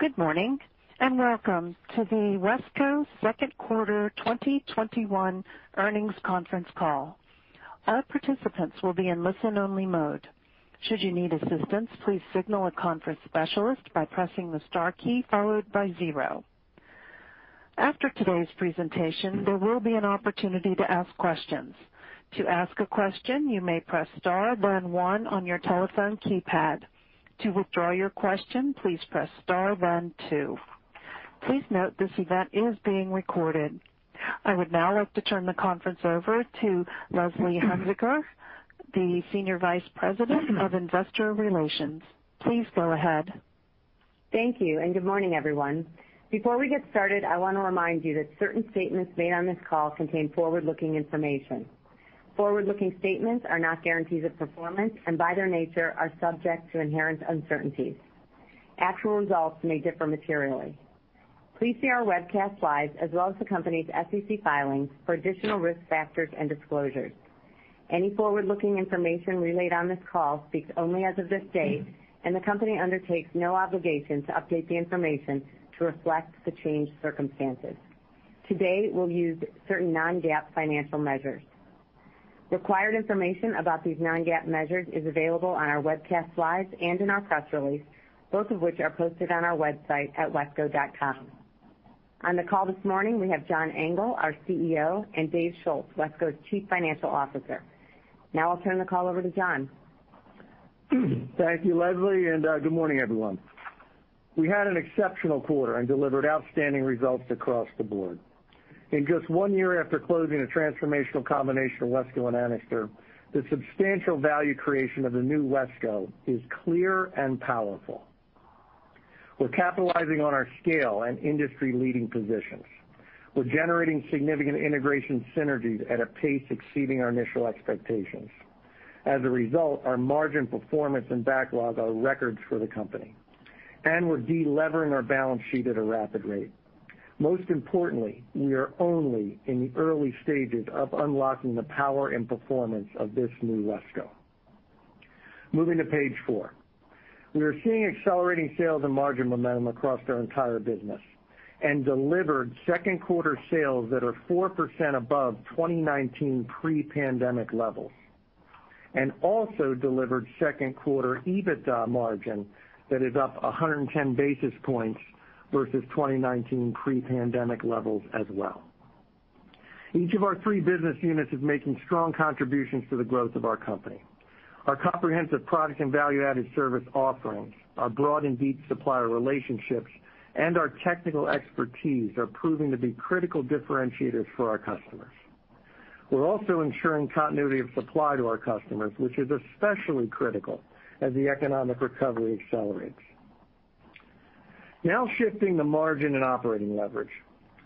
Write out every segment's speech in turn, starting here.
Good morning, and welcome to the WESCO second quarter 2021 earnings conference call. All participants will be in listen-only mode. Should you need assistance please signal a conference specialist by pressing the star key followed by zero. After today's presentation, there will be an opportunity to ask questions. To ask a question, you may press star then one on your telephone keypad. To withdraw your question, please press star then two. Please note this event is being recorded. I would now like to turn the conference over to Leslie Hunziker, the Senior Vice President of Investor Relations. Please go ahead. Thank you, and good morning, everyone. Before we get started, I want to remind you that certain statements made on this call contain forward-looking information. Forward-looking statements are not guarantees of performance, and by their nature are subject to inherent uncertainties. Actual results may differ materially. Please see our webcast slides as well as the company's SEC filings for additional risk factors and disclosures. Any forward-looking information relayed on this call speaks only as of this date, and the company undertakes no obligation to update the information to reflect the changed circumstances. Today, we'll use certain non-GAAP financial measures. Required information about these non-GAAP measures is available on our webcast slides and in our press release, both of which are posted on our website at wesco.com. On the call this morning, we have John Engel, our CEO, and Dave Schulz, WESCO's Chief Financial Officer. Now I'll turn the call over to John. Thank you, Leslie, and good morning, everyone. We had an exceptional quarter and delivered outstanding results across the board. In just one year after closing the transformational combination of WESCO and Anixter, the substantial value creation of the new WESCO is clear and powerful. We're capitalizing on our scale and industry-leading positions. We're generating significant integration synergies at a pace exceeding our initial expectations. As a result, our margin performance and backlog are records for the company. We're de-levering our balance sheet at a rapid rate. Most importantly, we are only in the early stages of unlocking the power and performance of this new WESCO. Moving to page four. We are seeing accelerating sales and margin momentum across our entire business, and delivered second quarter sales that are 4% above 2019 pre-pandemic levels. Also delivered second quarter EBITDA margin that is up 110 basis points versus 2019 pre-pandemic levels as well. Each of our three business units is making strong contributions to the growth of our company. Our comprehensive product and value-added service offerings, our broad and deep supplier relationships, and our technical expertise are proving to be critical differentiators for our customers. We're also ensuring continuity of supply to our customers, which is especially critical as the economic recovery accelerates. Shifting to margin and operating leverage.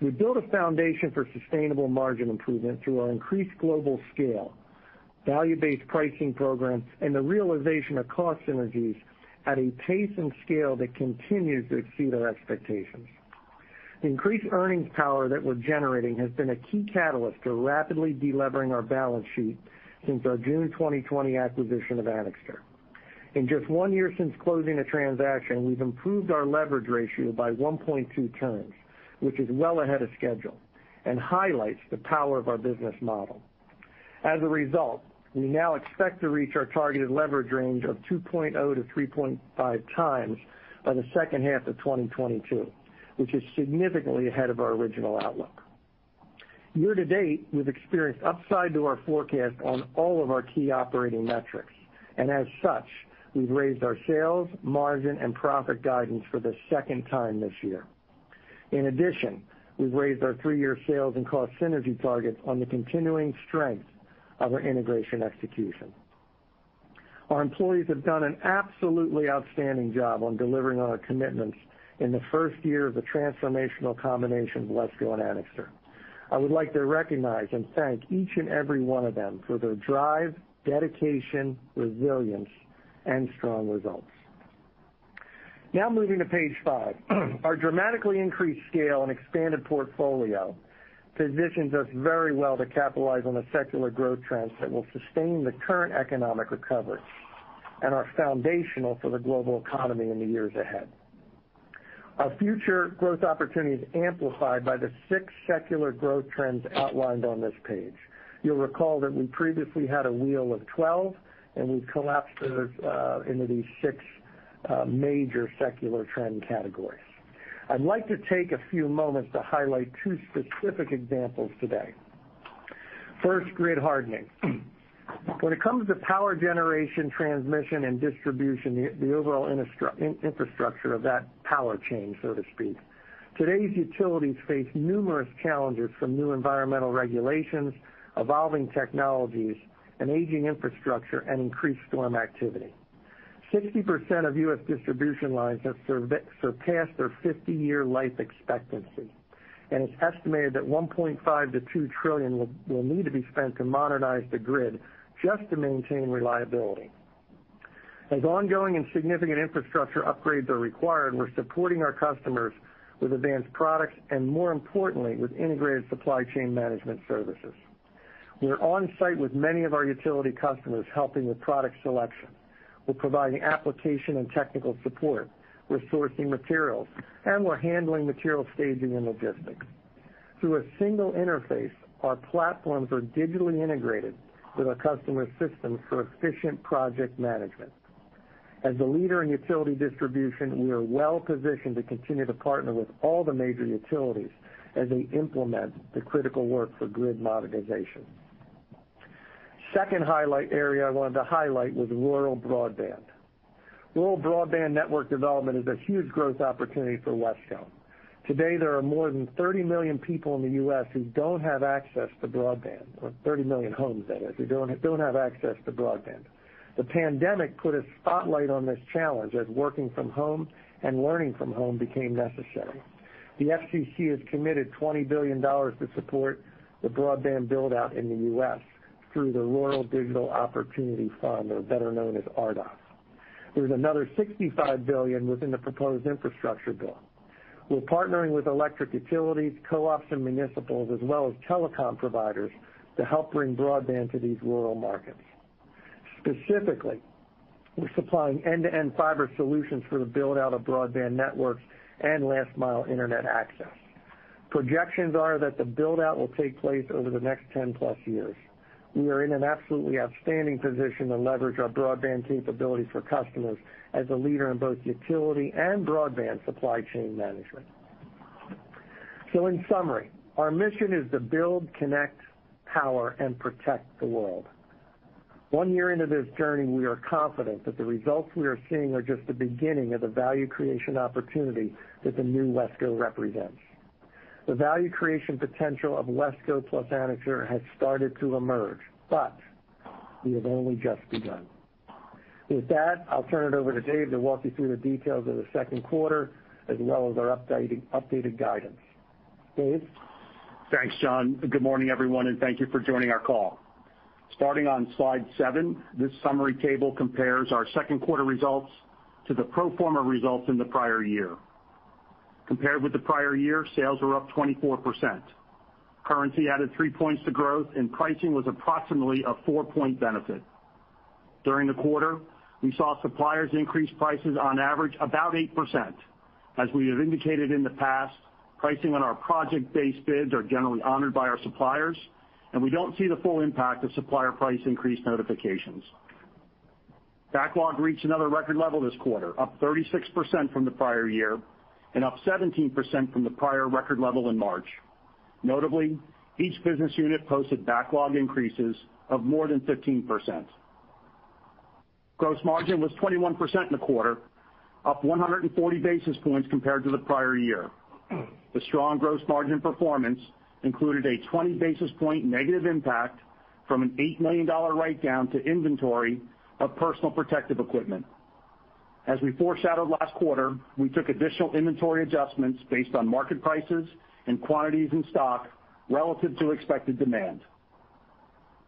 We built a foundation for sustainable margin improvement through our increased global scale, value-based pricing programs, and the realization of cost synergies at a pace and scale that continues to exceed our expectations. The increased earnings power that we're generating has been a key catalyst to rapidly de-levering our balance sheet since our June 2020 acquisition of Anixter. In just one year since closing the transaction, we've improved our leverage ratio by 1.2x, which is well ahead of schedule and highlights the power of our business model. As a result, we now expect to reach our targeted leverage range of 2.0x-3.5x by the second half of 2022, which is significantly ahead of our original outlook. Year to date, we've experienced upside to our forecast on all of our key operating metrics, and as such, we've raised our sales, margin, and profit guidance for the second time this year. In addition, we've raised our three-year sales and cost synergy targets on the continuing strength of our integration execution. Our employees have done an absolutely outstanding job on delivering on our commitments in the first year of the transformational combination of WESCO and Anixter. I would like to recognize and thank each and every one of them for their drive, dedication, resilience, and strong results. Now moving to page five. Our dramatically increased scale and expanded portfolio positions us very well to capitalize on the secular growth trends that will sustain the current economic recovery and are foundational for the global economy in the years ahead. Our future growth opportunity is amplified by the six secular growth trends outlined on this page. You'll recall that we previously had a wheel of 12, and we've collapsed those into these six major secular trend categories. I'd like to take a few moments to highlight two specific examples today. First, grid hardening. When it comes to power generation, transmission, and distribution, the overall infrastructure of that power chain, so to speak, today's utilities face numerous challenges from new environmental regulations, evolving technologies, and aging infrastructure, and increased storm activity. 60% of U.S. distribution lines have surpassed their 50-year life expectancy, and it's estimated that $1.5 trillion-$2 trillion will need to be spent to modernize the grid just to maintain reliability. As ongoing and significant infrastructure upgrades are required, we're supporting our customers with advanced products, and more importantly, with integrated supply chain management services. We're on-site with many of our utility customers, helping with product selection. We're providing application and technical support. We're sourcing materials, and we're handling material staging and logistics. Through a single interface, our platforms are digitally integrated with our customer systems for efficient project management. As a leader in utility distribution, we are well-positioned to continue to partner with all the major utilities as they implement the critical work for grid modernization. Second highlight area I wanted to highlight was rural broadband. Rural broadband network development is a huge growth opportunity for WESCO. Today, there are more than 30 million people in the U.S. who don't have access to broadband, or 30 million homes, that is, who don't have access to broadband. The pandemic put a spotlight on this challenge as working from home and learning from home became necessary. The FCC has committed $20 billion to support the broadband build-out in the U.S. through the Rural Digital Opportunity Fund, or better known as RDOF. There's another $65 billion within the proposed infrastructure bill. We're partnering with electric utilities, co-ops, and municipals, as well as telecom providers to help bring broadband to these rural markets. Specifically, we're supplying end-to-end fiber solutions for the build-out of broadband networks and last-mile internet access. Projections are that the build-out will take place over the next 10+ years. We are in an absolutely outstanding position to leverage our broadband capabilities for customers as a leader in both utility and broadband supply chain management. In summary, our mission is to build, connect, power, and protect the world. One year into this journey, we are confident that the results we are seeing are just the beginning of the value creation opportunity that the new WESCO represents. The value creation potential of WESCO plus Anixter has started to emerge, but we have only just begun. With that, I'll turn it over to Dave to walk you through the details of the second quarter as well as our updated guidance. Dave? Thanks, John. Good morning, everyone, and thank you for joining our call. Starting on slide seven, this summary table compares our second quarter results to the pro forma results in the prior year. Compared with the prior year, sales were up 24%. Currency added 3 points to growth, and pricing was approximately a 4-point benefit. During the quarter, we saw suppliers increase prices on average about 8%. As we have indicated in the past, pricing on our project-based bids are generally honored by our suppliers, and we don't see the full impact of supplier price increase notifications. Backlog reached another record level this quarter, up 36% from the prior year and up 17% from the prior record level in March. Notably, each business unit posted backlog increases of more than 15%. Gross margin was 21% in the quarter, up 140 basis points compared to the prior year. The strong gross margin performance included a 20 basis point negative impact from an $8 million write-down to inventory of personal protective equipment. As we foreshadowed last quarter, we took additional inventory adjustments based on market prices and quantities in stock relative to expected demand.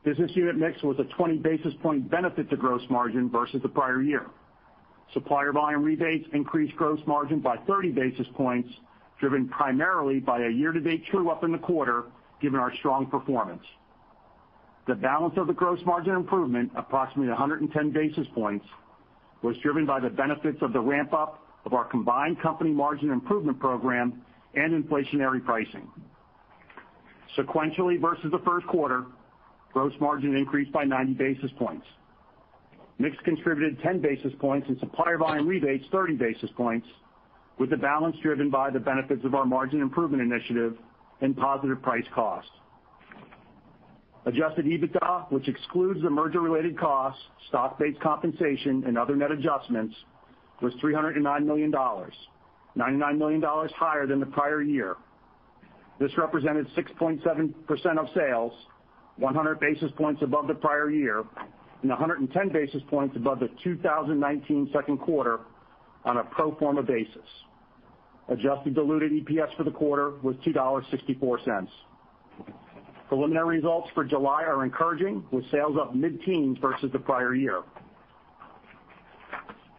Business unit mix was a 20 basis point benefit to gross margin versus the prior year. Supplier volume rebates increased gross margin by 30 basis points, driven primarily by a year-to-date true-up in the quarter given our strong performance. The balance of the gross margin improvement, approximately 110 basis points, was driven by the benefits of the ramp-up of our combined company margin improvement program and inflationary pricing. Sequentially versus the first quarter, gross margin increased by 90 basis points. Mix contributed 10 basis points and supplier volume rebates 30 basis points, with the balance driven by the benefits of our margin improvement initiative and positive price cost. Adjusted EBITDA, which excludes the merger-related costs, stock-based compensation, and other net adjustments, was $309 million, $99 million higher than the prior year. This represented 6.7% of sales, 100 basis points above the prior year and 110 basis points above the 2019 second quarter on a pro forma basis. Adjusted diluted EPS for the quarter was $2.64. Preliminary results for July are encouraging, with sales up mid-teens versus the prior year.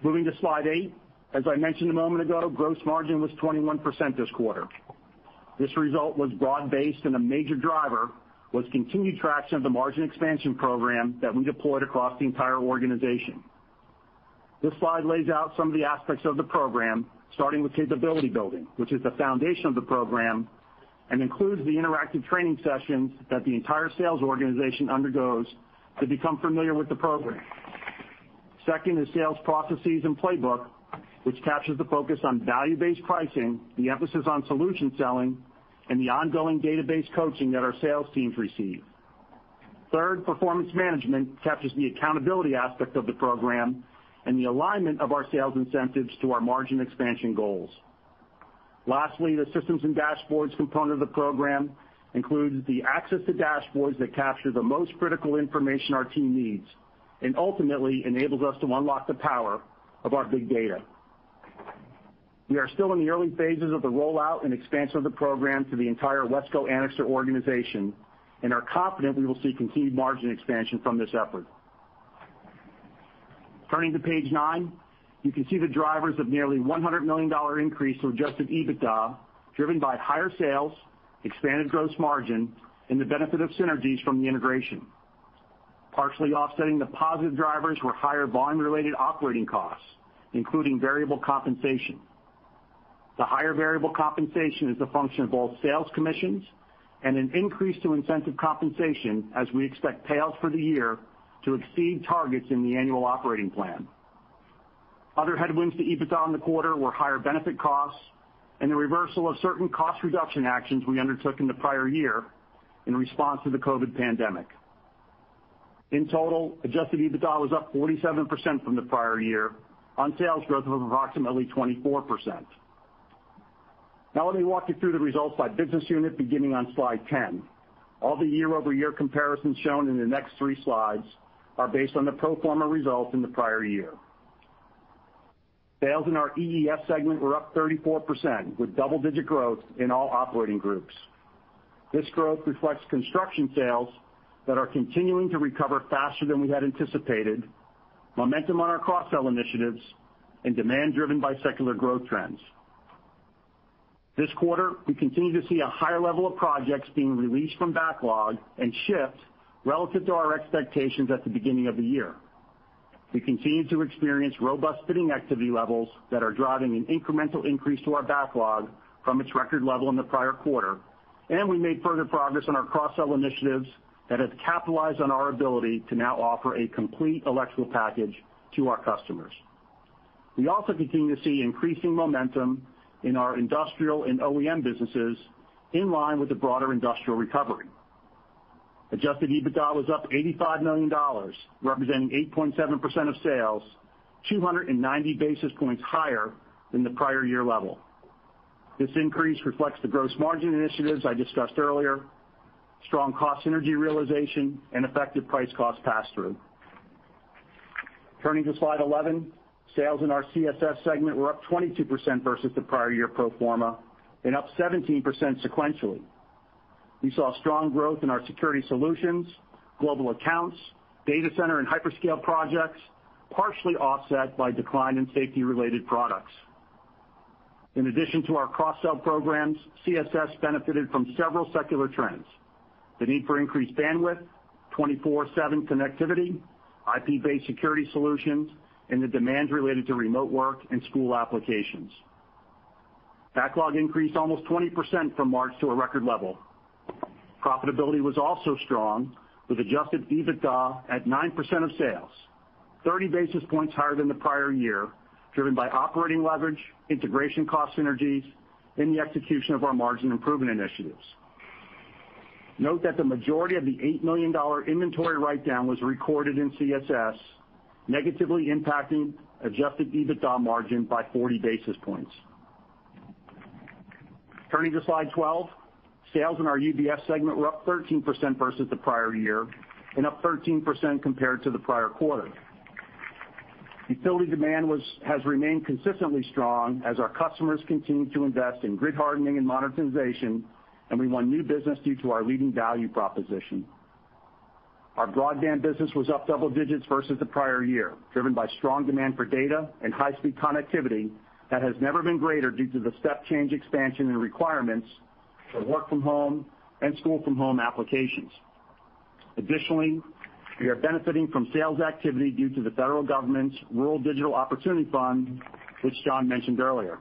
Moving to slide eight. As I mentioned a moment ago, gross margin was 21% this quarter. This result was broad-based, and a major driver was continued traction of the margin expansion program that we deployed across the entire organization. This slide lays out some of the aspects of the program, starting with Capability Building, which is the foundation of the program and includes the interactive training sessions that the entire sales organization undergoes to become familiar with the program. Second is Sales Processes and Playbook, which captures the focus on value-based pricing, the emphasis on solution selling, and the ongoing data-based coaching that our sales teams receive. Third, Performance Management captures the accountability aspect of the program and the alignment of our sales incentives to our margin expansion goals. Lastly, the Systems and Dashboards component of the program includes the access to dashboards that capture the most critical information our team needs and ultimately enables us to unlock the power of our big data. We are still in the early phases of the rollout and expansion of the program to the entire WESCO Anixter organization and are confident we will see continued margin expansion from this effort. Turning to page nine, you can see the drivers of nearly $100 million increase to adjusted EBITDA, driven by higher sales, expanded gross margin, and the benefit of synergies from the integration. Partially offsetting the positive drivers were higher volume-related operating costs, including variable compensation. The higher variable compensation is a function of both sales commissions and an increase to incentive compensation, as we expect payouts for the year to exceed targets in the annual operating plan. Other headwinds to EBITDA in the quarter were higher benefit costs and the reversal of certain cost reduction actions we undertook in the prior year in response to the COVID pandemic. In total, adjusted EBITDA was up 47% from the prior year on sales growth of approximately 24%. Let me walk you through the results by business unit, beginning on slide 10. All the year-over-year comparisons shown in the next three slides are based on the pro forma results in the prior year. Sales in our EES segment were up 34%, with double-digit growth in all operating groups. This growth reflects construction sales that are continuing to recover faster than we had anticipated, momentum on our cross-sell initiatives, and demand driven by secular growth trends. This quarter, we continue to see a higher level of projects being released from backlog and shift relative to our expectations at the beginning of the year. We continue to experience robust bidding activity levels that are driving an incremental increase to our backlog from its record level in the prior quarter, and we made further progress on our cross-sell initiatives that have capitalized on our ability to now offer a complete electrical package to our customers. We also continue to see increasing momentum in our industrial and OEM businesses, in line with the broader industrial recovery. Adjusted EBITDA was up $85 million, representing 8.7% of sales, 290 basis points higher than the prior year level. This increase reflects the gross margin initiatives I discussed earlier, strong cost synergy realization, and effective price cost pass-through. Turning to slide 11, sales in our CSS segment were up 22% versus the prior year pro forma and up 17% sequentially. We saw strong growth in our security solutions, global accounts, data center and hyperscale projects, partially offset by decline in safety-related products. In addition to our cross-sell programs, CSS benefited from several secular trends: the need for increased bandwidth, 24/7 connectivity, IP-based security solutions, and the demand related to remote work and school applications. Backlog increased almost 20% from March to a record level. Profitability was also strong, with adjusted EBITDA at 9% of sales, 30 basis points higher than the prior year, driven by operating leverage, integration cost synergies, and the execution of our margin improvement initiatives. Note that the majority of the $8 million inventory write-down was recorded in CSS, negatively impacting adjusted EBITDA margin by 40 basis points. Turning to slide 12, sales in our UBS segment were up 13% versus the prior year and up 13% compared to the prior quarter. Utility demand has remained consistently strong as our customers continue to invest in grid hardening and modernization, and we won new business due to our leading value proposition. Our broadband business was up double digits versus the prior year, driven by strong demand for data and high-speed connectivity that has never been greater due to the step change expansion and requirements for work-from-home and school-from-home applications. Additionally, we are benefiting from sales activity due to the federal government's Rural Digital Opportunity Fund, which John mentioned earlier.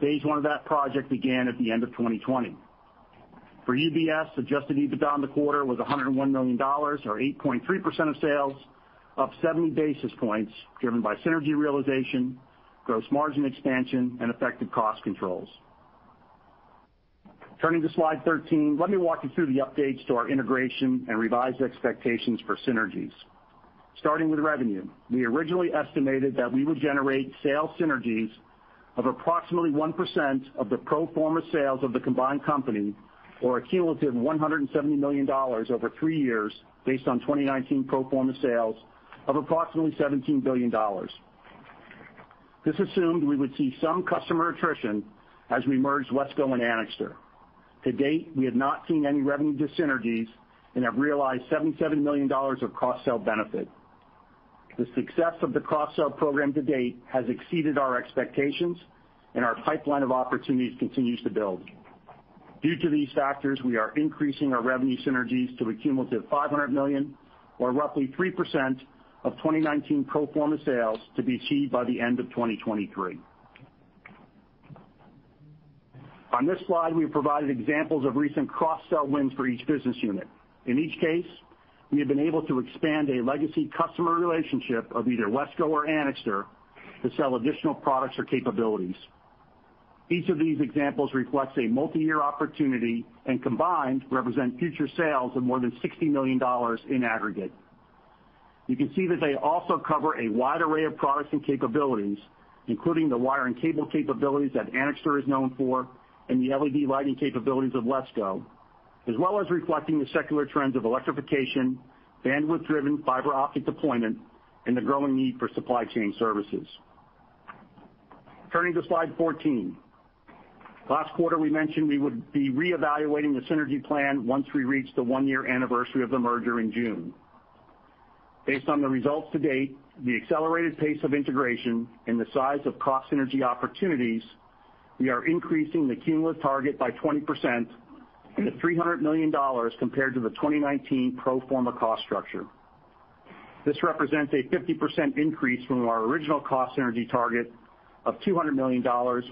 Phase I of that project began at the end of 2020. For UBS, adjusted EBITDA in the quarter was $101 million, or 8.3% of sales, up 70 basis points, driven by synergy realization, gross margin expansion, and effective cost controls. Turning to slide 13, let me walk you through the updates to our integration and revised expectations for synergies. Starting with revenue, we originally estimated that we would generate sales synergies of approximately 1% of the pro forma sales of the combined company or a cumulative $170 million over three years based on 2019 pro forma sales of approximately $17 billion. This assumed we would see some customer attrition as we merged WESCO and Anixter. To date, we have not seen any revenue dyssynergies and have realized $77 million of cross-sell benefit. The success of the cross-sell program to date has exceeded our expectations, and our pipeline of opportunities continues to build. Due to these factors, we are increasing our revenue synergies to a cumulative $500 million, or roughly 3% of 2019 pro forma sales to be achieved by the end of 2023. On this slide, we have provided examples of recent cross-sell wins for each business unit. In each case, we have been able to expand a legacy customer relationship of either WESCO or Anixter to sell additional products or capabilities. Each of these examples reflects a one-year opportunity and combined represent future sales of more than $60 million in aggregate. You can see that they also cover a wide array of products and capabilities, including the wiring cable capabilities that Anixter is known for and the LED lighting capabilities of WESCO, as well as reflecting the secular trends of electrification, bandwidth-driven fiber optic deployment, and the growing need for supply chain services. Turning to slide 14. Last quarter we mentioned we would be re-evaluating the synergy plan once we reached the one-year anniversary of the merger in June. Based on the results to date, the accelerated pace of integration, and the size of cost synergy opportunities, we are increasing the cumulative target by 20% to $300 million compared to the 2019 pro forma cost structure. This represents a 50% increase from our original cost synergy target of $200 million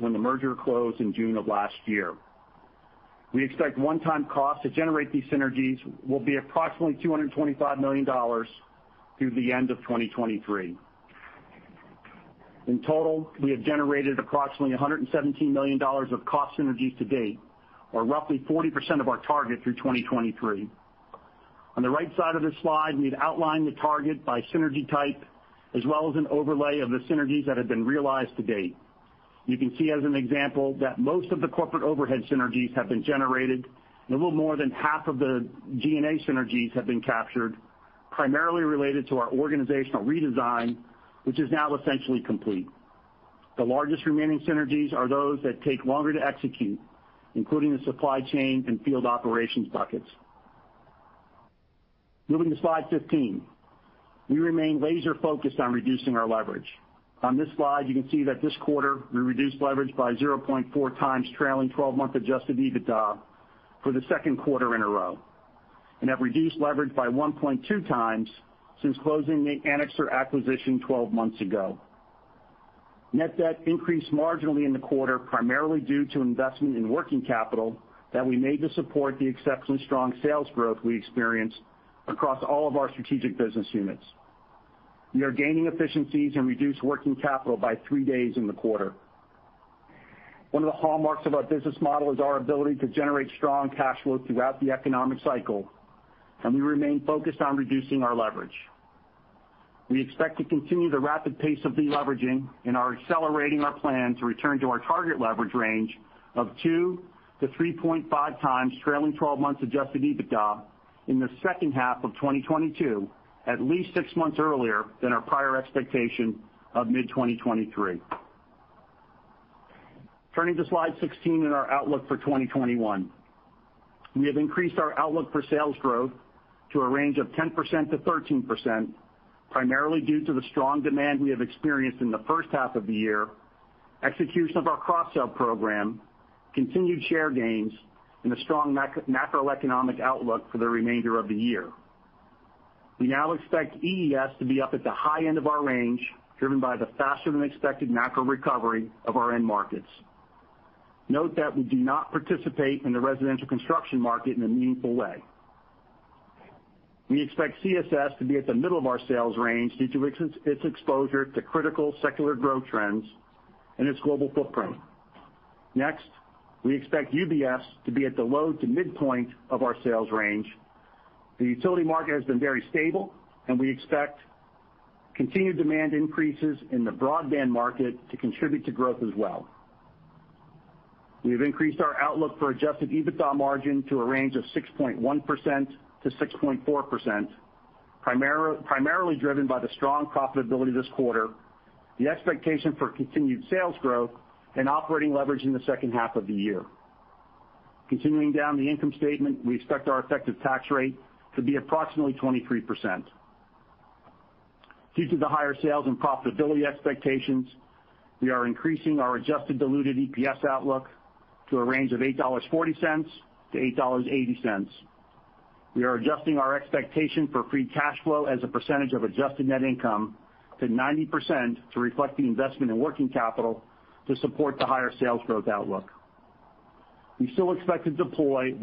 when the merger closed in June of last year. We expect one-time costs to generate these synergies will be approximately $225 million through the end of 2023. In total, we have generated approximately $117 million of cost synergies to date, or roughly 40% of our target through 2023. On the right side of this slide, we've outlined the target by synergy type, as well as an overlay of the synergies that have been realized to date. You can see as an example, that most of the corporate overhead synergies have been generated. A little more than half of the G&A synergies have been captured, primarily related to our organizational redesign, which is now essentially complete. The largest remaining synergies are those that take longer to execute, including the supply chain and field operations buckets. Moving to slide 15. We remain laser-focused on reducing our leverage. On this slide, you can see that this quarter we reduced leverage by 0.4x trailing 12-month adjusted EBITDA for the second quarter in a row and have reduced leverage by 1.2x since closing the Anixter acquisition 12 months ago. Net debt increased marginally in the quarter, primarily due to investment in working capital that we made to support the exceptionally strong sales growth we experienced across all of our strategic business units. We are gaining efficiencies and reduced working capital by three days in the quarter. One of the hallmarks of our business model is our ability to generate strong cash flow throughout the economic cycle, and we remain focused on reducing our leverage. We expect to continue the rapid pace of de-leveraging and are accelerating our plan to return to our target leverage range of 2x-3.5x trailing 12 months adjusted EBITDA in the second half of 2022, at least six months earlier than our prior expectation of mid-2023. Turning to slide 16 and our outlook for 2021. We have increased our outlook for sales growth to a range of 10%-13%, primarily due to the strong demand we have experienced in the first half of the year, execution of our cross-sell program, continued share gains, and a strong macroeconomic outlook for the remainder of the year. We now expect EES to be up at the high end of our range, driven by the faster-than-expected macro recovery of our end markets. Note that we do not participate in the residential construction market in a meaningful way. We expect CSS to be at the middle of our sales range due to its exposure to critical secular growth trends and its global footprint. Next, we expect UBS to be at the low to midpoint of our sales range. The utility market has been very stable, and we expect continued demand increases in the broadband market to contribute to growth as well. We have increased our outlook for adjusted EBITDA margin to a range of 6.1%-6.4%, primarily driven by the strong profitability this quarter, the expectation for continued sales growth, and operating leverage in the second half of the year. Continuing down the income statement, we expect our effective tax rate to be approximately 23%. Due to the higher sales and profitability expectations, we are increasing our adjusted diluted EPS outlook to a range of $8.40-$8.80. We are adjusting our expectation for free cash flow as a percentage of adjusted net income to 90% to reflect the investment in working capital to support the higher sales growth outlook. We still expect to deploy $100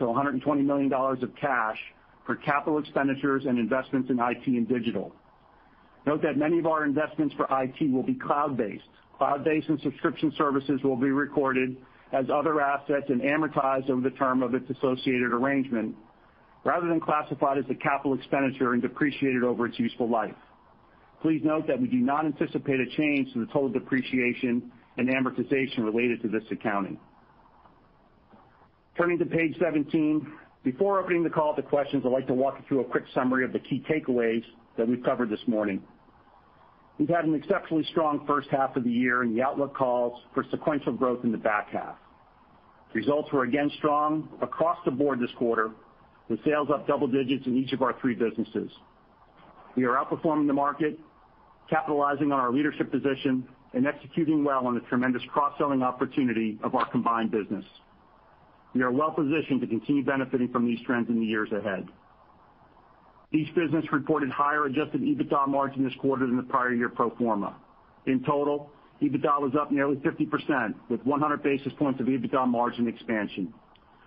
million-$120 million of cash for capital expenditures and investments in IT and digital. Note that many of our investments for IT will be cloud-based. Cloud-based and subscription services will be recorded as other assets and amortized over the term of its associated arrangement, rather than classified as a capital expenditure and depreciated over its useful life. Please note that we do not anticipate a change to the total depreciation and amortization related to this accounting. Turning to page 17. Before opening the call to questions, I'd like to walk you through a quick summary of the key takeaways that we've covered this morning. We've had an exceptionally strong first half of the year, and the outlook calls for sequential growth in the back half. Results were again strong across the board this quarter, with sales up double digits in each of our three businesses. We are outperforming the market, capitalizing on our leadership position, and executing well on the tremendous cross-selling opportunity of our combined business. We are well positioned to continue benefiting from these trends in the years ahead. Each business reported higher adjusted EBITDA margin this quarter than the prior year pro forma. In total, EBITDA was up nearly 50%, with 100 basis points of EBITDA margin expansion.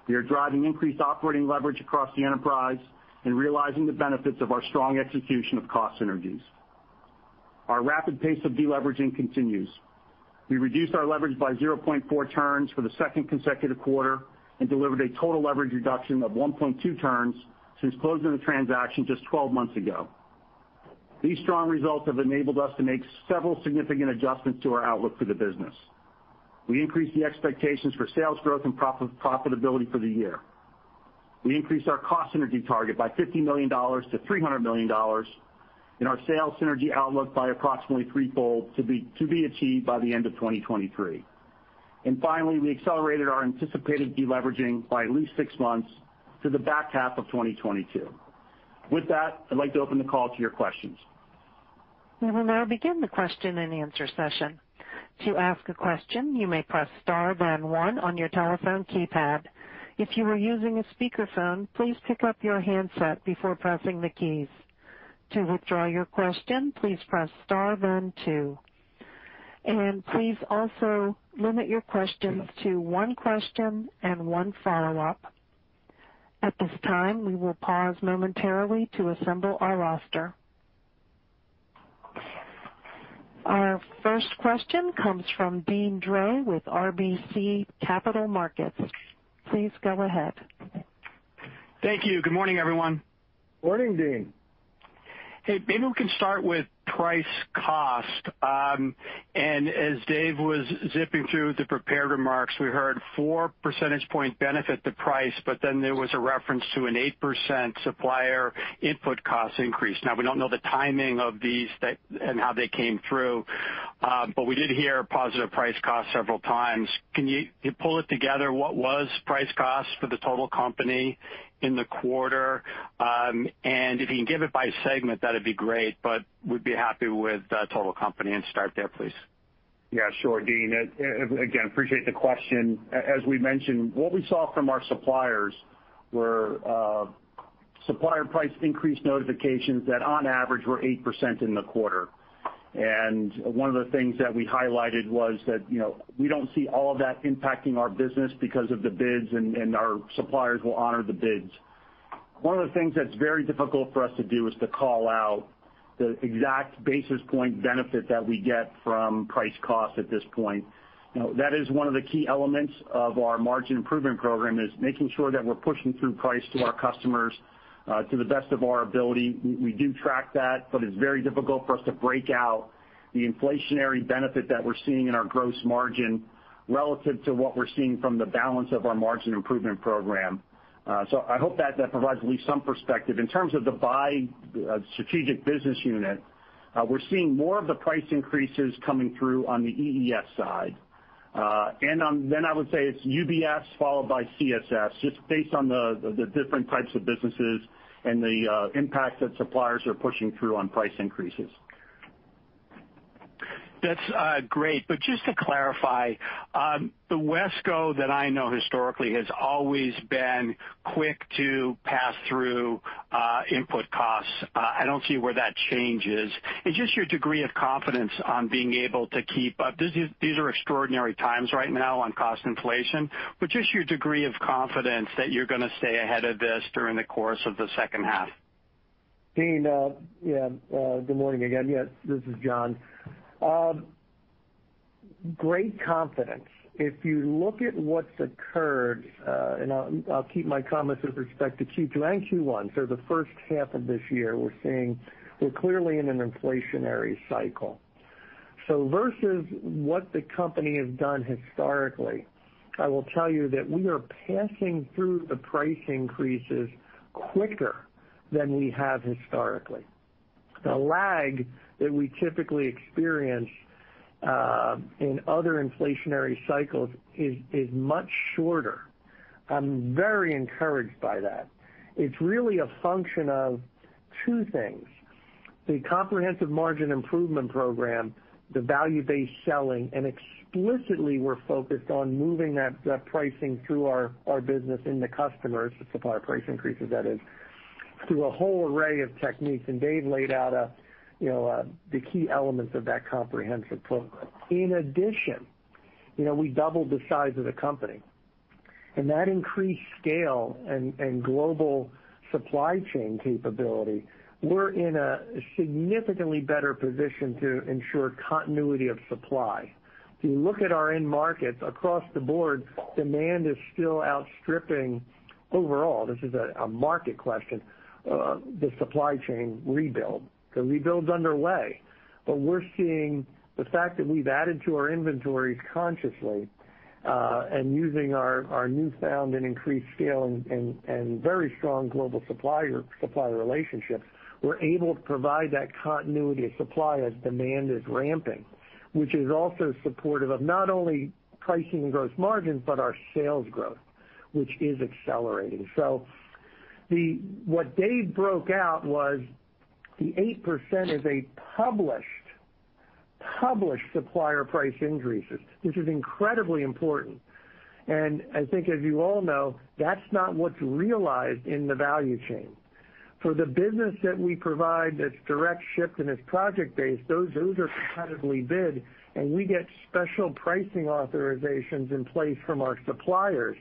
We are driving increased operating leverage across the enterprise and realizing the benefits of our strong execution of cost synergies. Our rapid pace of de-leveraging continues. We reduced our leverage by 0.4 turns for the second consecutive quarter and delivered a total leverage reduction of 1.2 turns since closing the transaction just 12 months ago. These strong results have enabled us to make several significant adjustments to our outlook for the business. We increased the expectations for sales growth and profitability for the year. We increased our cost synergy target by $50 million to $300 million, and our sales synergy outlook by approximately threefold to be achieved by the end of 2023. Finally, we accelerated our anticipated de-leveraging by at least six months to the back half of 2022. With that, I'd like to open the call to your questions. We will now begin the Question-and-Answer session. To ask a question, you may press star then one on your telephone keypad. If you are using a speakerphone, please pick up your handset before pressing the keys. To withdraw your question, please press star then two. Please also limit your questions to one question and one follow-up. At this time, we will pause momentarily to assemble our roster. Our first question comes from Deane Dray with RBC Capital Markets. Please go ahead. Thank you. Good morning, everyone. Morning, Deane. Hey, maybe we can start with price cost. As Dave was zipping through the prepared remarks, we heard 4 percentage point benefit to price, but then there was a reference to an 8% supplier input cost increase. Now, we don't know the timing of these and how they came through, but we did hear positive price cost several times. Can you pull it together what was price cost for the total company in the quarter? If you can give it by segment, that'd be great, but we'd be happy with the total company. Start there, please. Yeah. Sure, Deane. Again, appreciate the question. As we mentioned, what we saw from our suppliers were supplier price increase notifications that on average were 8% in the quarter. One of the things that we highlighted was that we don't see all of that impacting our business because of the bids, and our suppliers will honor the bids. One of the things that's very difficult for us to do is to call out the exact basis point benefit that we get from price cost at this point. That is one of the key elements of our margin improvement program, is making sure that we're pushing through price to our customers to the best of our ability. We do track that, but it's very difficult for us to break out the inflationary benefit that we're seeing in our gross margin relative to what we're seeing from the balance of our margin improvement program. I hope that provides at least some perspective. In terms of the strategic business unit, we're seeing more of the price increases coming through on the EES side. I would say it's UBS followed by CSS, just based on the different types of businesses and the impact that suppliers are pushing through on price increases. That's great. Just to clarify, the WESCO that I know historically has always been quick to pass through input costs. I don't see where that change is. Just your degree of confidence on being able to keep up. These are extraordinary times right now on cost inflation, just your degree of confidence that you're going to stay ahead of this during the course of the second half. Deane, good morning again. Yes, this is John. Great confidence. If you look at what's occurred, and I'll keep my comments with respect to Q2 and Q1, so the first half of this year, we're clearly in an inflationary cycle. Versus what the company has done historically, I will tell you that we are passing through the price increases quicker than we have historically. The lag that we typically experience in other inflationary cycles is much shorter. I'm very encouraged by that. It's really a function of two things, the comprehensive margin improvement program, the value-based selling, and explicitly, we're focused on moving that pricing through our business in the customers, the supplier price increases, that is, through a whole array of techniques. Dave laid out the key elements of that comprehensive program. In addition, we doubled the size of the company. That increased scale and global supply chain capability, we're in a significantly better position to ensure continuity of supply. If you look at our end markets across the board, demand is still outstripping overall, this is a market question, the supply chain rebuild. The rebuild's underway. We're seeing the fact that we've added to our inventories consciously, and using our newfound and increased scale and very strong global supplier relationships, we're able to provide that continuity of supply as demand is ramping, which is also supportive of not only pricing and gross margins, but our sales growth, which is accelerating. What Dave broke out was the 8% is a published supplier price increases, which is incredibly important. I think as you all know, that's not what's realized in the value chain. For the business that we provide that's direct shipped and is project-based, those are competitively bid, and we get special pricing authorizations in place from our suppliers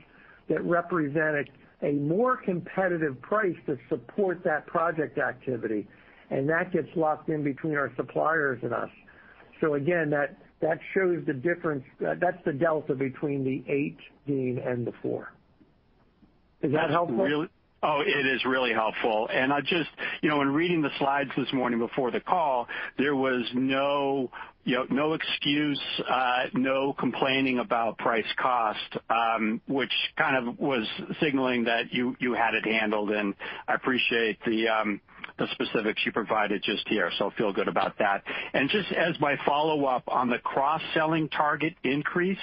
that represented a more competitive price to support that project activity, and that gets locked in between our suppliers and us. Again, that shows the difference. That's the delta between the 8%, Deane, and the 4%. Is that helpful? Oh, it is really helpful. In reading the slides this morning before the call, there was no excuse, no complaining about price cost, which kind of was signaling that you had it handled, and I appreciate the specifics you provided just here. Feel good about that. Just as my follow-up on the cross-selling target increase,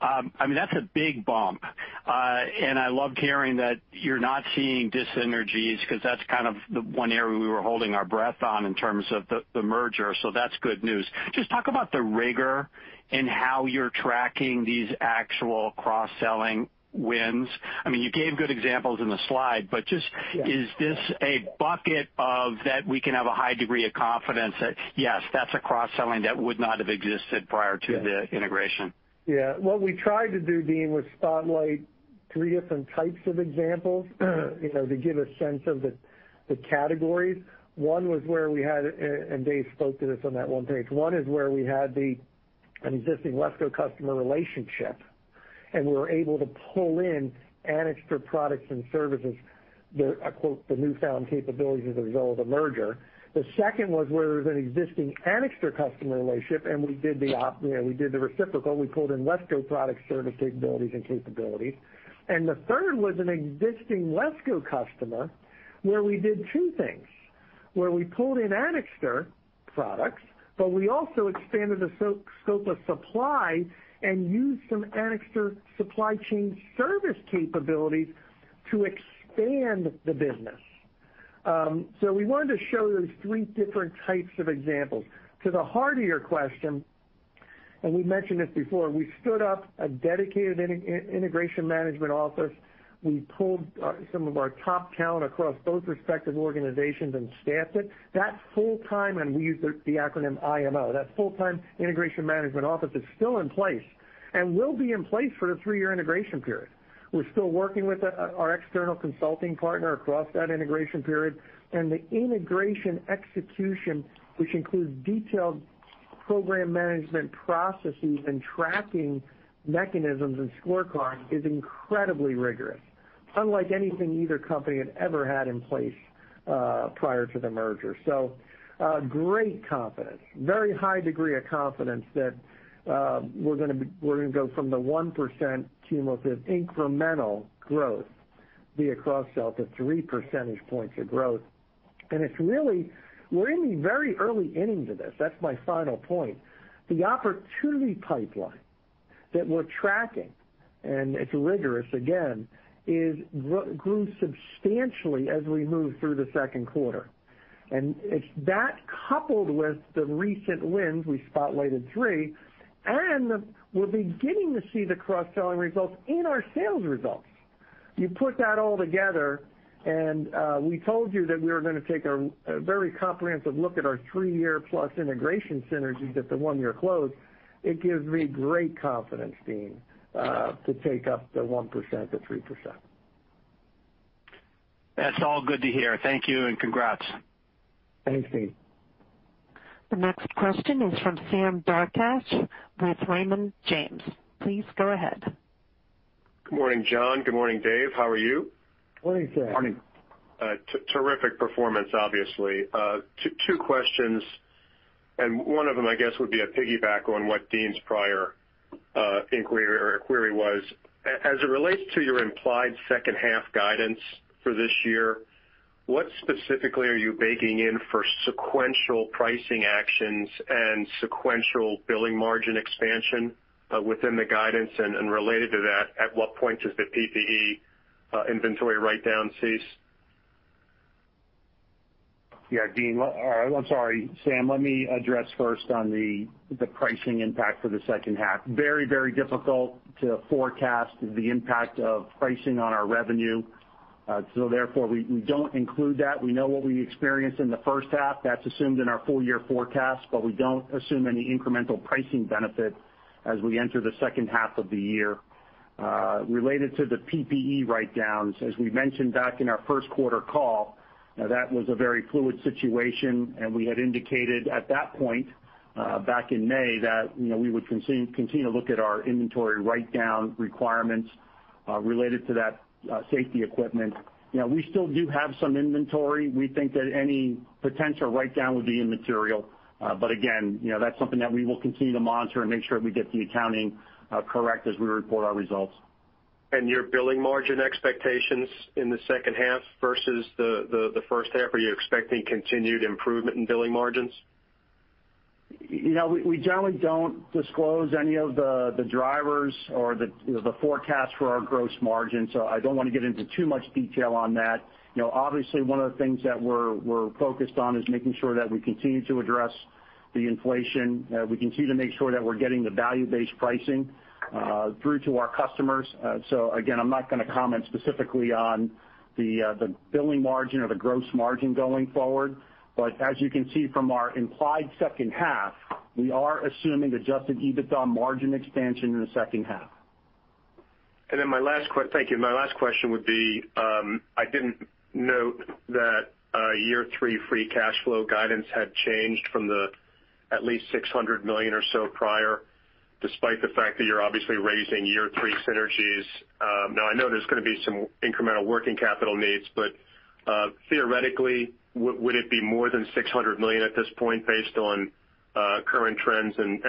that's a big bump. I loved hearing that you're not seeing dyssynergies because that's kind of the one area we were holding our breath on in terms of the merger. That's good news. Just talk about the rigor in how you're tracking these actual cross-selling wins. You gave good examples in the slide. Yeah. Is this a bucket of that we can have a high degree of confidence that yes, that's a cross-selling that would not have existed prior to? Yeah. The integration. Yeah. What we tried to do, Deane, was spotlight three different types of examples to give a sense of the categories. One was where we had, and Dave spoke to this on that one page. One is where we had an existing WESCO customer relationship, and we were able to pull in Anixter products and services, the "newfound capabilities" as a result of the merger. The second was where there's an existing Anixter customer relationship, and we did the reciprocal. We pulled in WESCO product service capabilities. The third was an existing WESCO customer where we did two things. Where we pulled in Anixter products, we also expanded the scope of supply and used some Anixter supply chain service capabilities to expand the business. We wanted to show those three different types of examples. To the heart of your question, and we mentioned this before, we stood up a dedicated Integration Management Office. We pulled some of our top talent across both respective organizations and staffed it. That full-time, and we use the acronym IMO, that full-time Integration Management Office is still in place and will be in place for the three-year integration period. We're still working with our external consulting partner across that integration period, and the integration execution, which includes detailed program management processes and tracking mechanisms and scorecards, is incredibly rigorous. Unlike anything either company had ever had in place prior to the merger. Great confidence. Very high degree of confidence that we're gonna go from the 1% cumulative incremental growth via cross-sell to 3 percentage points of growth. We're in the very early innings of this. That's my final point. The opportunity pipeline that we're tracking, and it's rigorous again, grew substantially as we moved through the second quarter. It's that coupled with the recent wins, we spotlighted 3%, and we're beginning to see the cross-selling results in our sales results. You put that all together, we told you that we were gonna take a very comprehensive look at our three-year plus integration synergies at the one-year close. It gives me great confidence, Deane, to take up the 1%-3%. That's all good to hear. Thank you, and congrats. Thanks, Deane. The next question is from Sam Darkatsh with Raymond James. Please go ahead. Good morning, John. Good morning, Dave. How are you? Morning, Sam. Morning. Terrific performance, obviously. Two questions. One of them, I guess, would be a piggyback on what Deane's prior inquiry was. As it relates to your implied second half guidance for this year, what specifically are you baking in for sequential pricing actions and sequential billing margin expansion within the guidance? Related to that, at what point does the PPE inventory write-down cease? Yeah, Deane. I'm sorry, Sam. Let me address first on the pricing impact for the second half. Very difficult to forecast the impact of pricing on our revenue. Therefore, we don't include that. We know what we experienced in the first half. That's assumed in our full-year forecast, but we don't assume any incremental pricing benefit as we enter the second half of the year. Related to the PPE write-downs, as we mentioned back in our first quarter call, that was a very fluid situation, and we had indicated at that point, back in May, that we would continue to look at our inventory write-down requirements related to that safety equipment. We still do have some inventory. We think that any potential write-down would be immaterial. Again, that's something that we will continue to monitor and make sure we get the accounting correct as we report our results. Your billing margin expectations in the second half versus the first half. Are you expecting continued improvement in billing margins? We generally don't disclose any of the drivers or the forecast for our gross margin. I don't want to get into too much detail on that. Obviously, one of the things that we're focused on is making sure that we continue to address the inflation. We continue to make sure that we're getting the value-based pricing through to our customers. Again, I'm not gonna comment specifically on the billing margin or the gross margin going forward. As you can see from our implied second half, we are assuming adjusted EBITDA margin expansion in the second half. Thank you. My last question would be, I didn't note that year-three free cash flow guidance had changed from the at least $600 million or so prior. Despite the fact that you're obviously raising year-three synergies, now I know there's going to be some incremental working capital needs, but theoretically, would it be more than $600 million at this point based on current trends and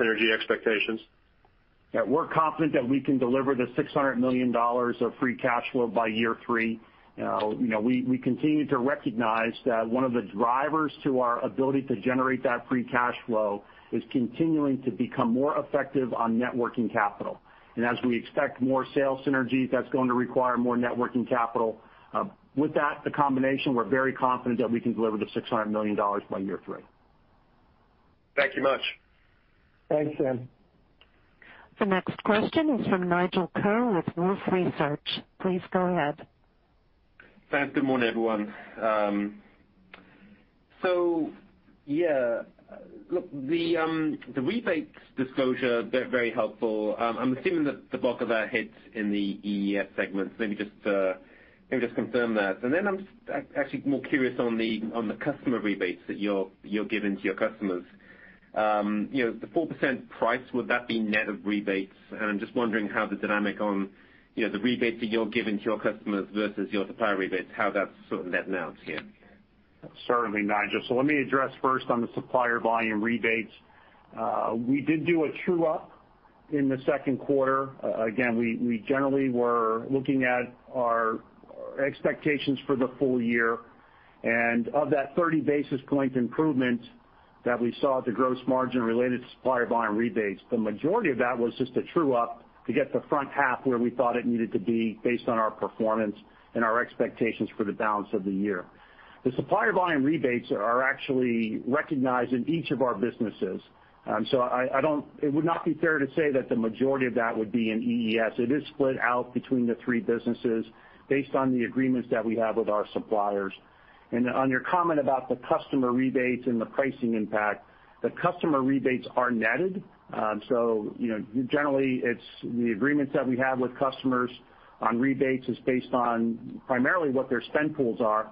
synergy expectations? Yeah. We're confident that we can deliver the $600 million of free cash flow by year three. We continue to recognize that one of the drivers to our ability to generate that free cash flow is continuing to become more effective on net working capital. As we expect more sales synergy, that's going to require more net working capital. With that, the combination, we're very confident that we can deliver the $600 million by year three. Thank you much. Thanks, Sam. The next question is from Nigel Coe with Wolfe Research. Please go ahead. Thanks. Good morning, everyone. Yeah. Look, the rebates disclosure, very helpful. I'm assuming that the bulk of that hits in the EES segments. Maybe just confirm that. Then I'm just actually more curious on the customer rebates that you're giving to your customers. The 4% price, would that be net of rebates? I'm just wondering how the dynamic on the rebates that you're giving to your customers versus your supplier rebates, how that's sort of net out here. Certainly, Nigel. Let me address first on the supplier volume rebates. We did do a true-up in the second quarter. Again, we generally were looking at our expectations for the full year, and of that 30 basis point improvement that we saw at the gross margin related to supplier volume rebates, the majority of that was just a true-up to get the front half where we thought it needed to be based on our performance and our expectations for the balance of the year. The supplier volume rebates are actually recognized in each of our businesses. So it would not be fair to say that the majority of that would be in EES. It is split out between the three businesses based on the agreements that we have with our suppliers. On your comment about the customer rebates and the pricing impact, the customer rebates are netted. Generally, it's the agreements that we have with customers on rebates is based on primarily what their spend pools are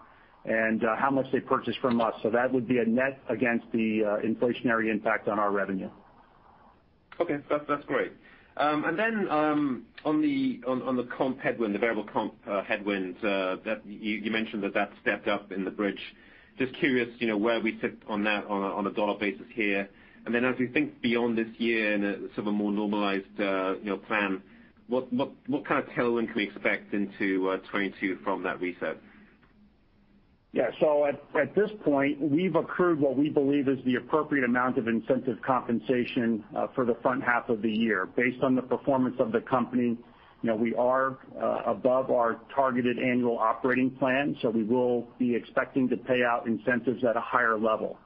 and how much they purchase from us. That would be a net against the inflationary impact on our revenue. Okay. That's great. On the comp headwind, the variable comp headwinds that you mentioned that stepped up in the bridge, just curious where we sit on that on a dollar basis here. As we think beyond this year in a sort of a more normalized plan, what kind of tailwind can we expect into 2022 from that reset? Yeah. At this point, we've accrued what we believe is the appropriate amount of incentive compensation for the front half of the year based on the performance of the company. We are above our targeted annual operating plan, so we will be expecting to pay out incentives at a higher level.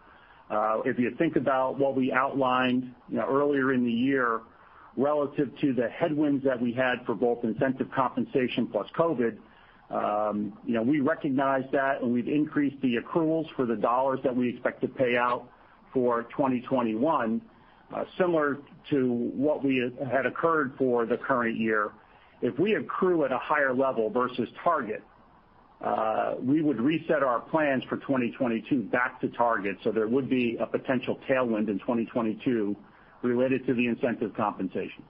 If you think about what we outlined earlier in the year relative to the headwinds that we had for both incentive compensation plus COVID, we recognized that, and we've increased the accruals for the dollars that we expect to pay out for 2021, similar to what we had occurred for the current year. If we accrue at a higher level versus target, we would reset our plans for 2022 back to target, so there would be a potential tailwind in 2022 related to the incentive compensation.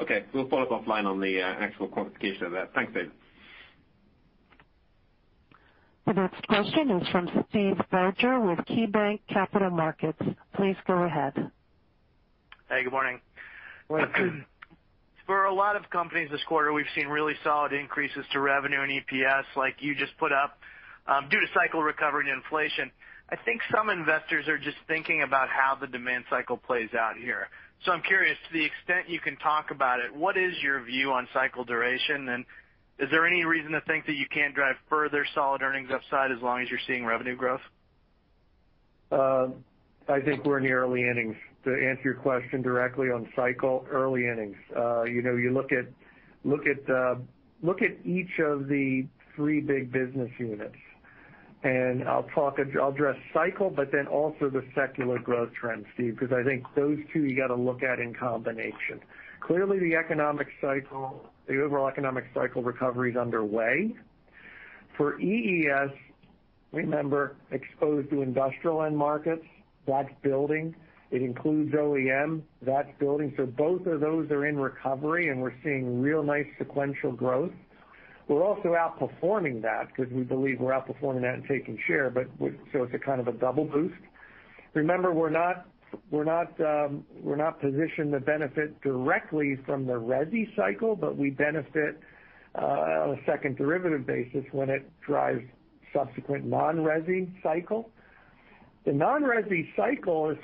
Okay. We'll follow up offline on the actual quantification of that. Thanks, Dave. The next question is from Steve Barger with KeyBanc Capital Markets. Please go ahead. Hey, good morning. Morning. For a lot of companies this quarter, we've seen really solid increases to revenue and EPS like you just put up due to cycle recovery and inflation. I think some investors are just thinking about how the demand cycle plays out here. I'm curious, to the extent you can talk about it, what is your view on cycle duration, and is there any reason to think that you can't drive further solid earnings upside as long as you're seeing revenue growth? I think we're in the early innings. To answer your question directly on cycle, early innings. You look at each of the three big business units, and I'll address cycle, but then also the secular growth trend, Steve, because I think those two you got to look at in combination. Clearly, the overall economic cycle recovery is underway. For EES, remember, exposed to industrial end markets, that's building. It includes OEM, that's building. Both of those are in recovery, and we're seeing real nice sequential growth. We're also outperforming that because we believe we're outperforming that and taking share, so it's a kind of a double boost. Remember, we're not positioned to benefit directly from the resi cycle, but we benefit on a second derivative basis when it drives subsequent non-resi cycle. The non-resi cycle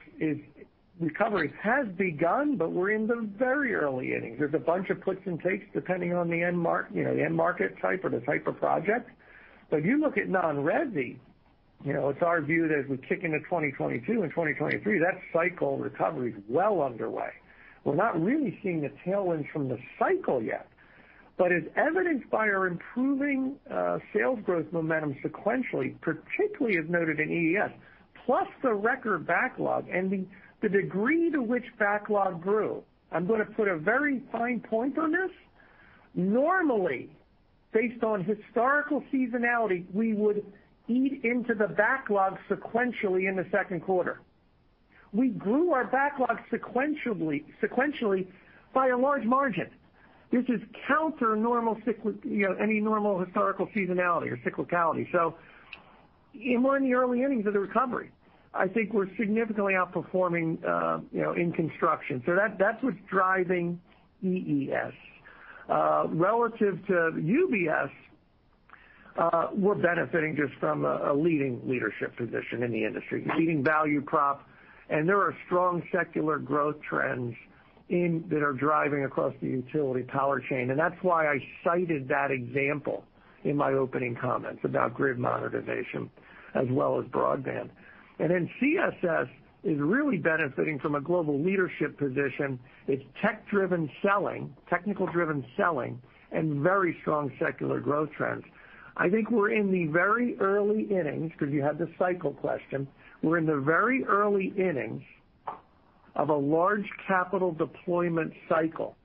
recovery has begun, but we're in the very early innings. There's a bunch of puts and takes depending on the end market type or the type of project. If you look at non-resi, it's our view that as we kick into 2022 and 2023, that cycle recovery is well underway. We're not really seeing the tailwinds from the cycle yet. As evidenced by our improving sales growth momentum sequentially, particularly as noted in EES, plus the record backlog and the degree to which backlog grew, I'm going to put a very fine point on this. Normally, based on historical seasonality, we would eat into the backlog sequentially in the second quarter. We grew our backlog sequentially by a large margin. This is counter any normal historical seasonality or cyclicality. We're in the early innings of the recovery. I think we're significantly outperforming in construction. That's what's driving EES. Relative to UBS, we're benefiting just from a leadership position in the industry, leading value prop, and there are strong secular growth trends that are driving across the utility power chain. That's why I cited that example in my opening comments about grid modernization as well as broadband. Then CSS is really benefiting from a global leadership position. It's technical-driven selling and very strong secular growth trends. I think we're in the very early innings, because you had the cycle question. We're in the very early innings of a large capital deployment cycle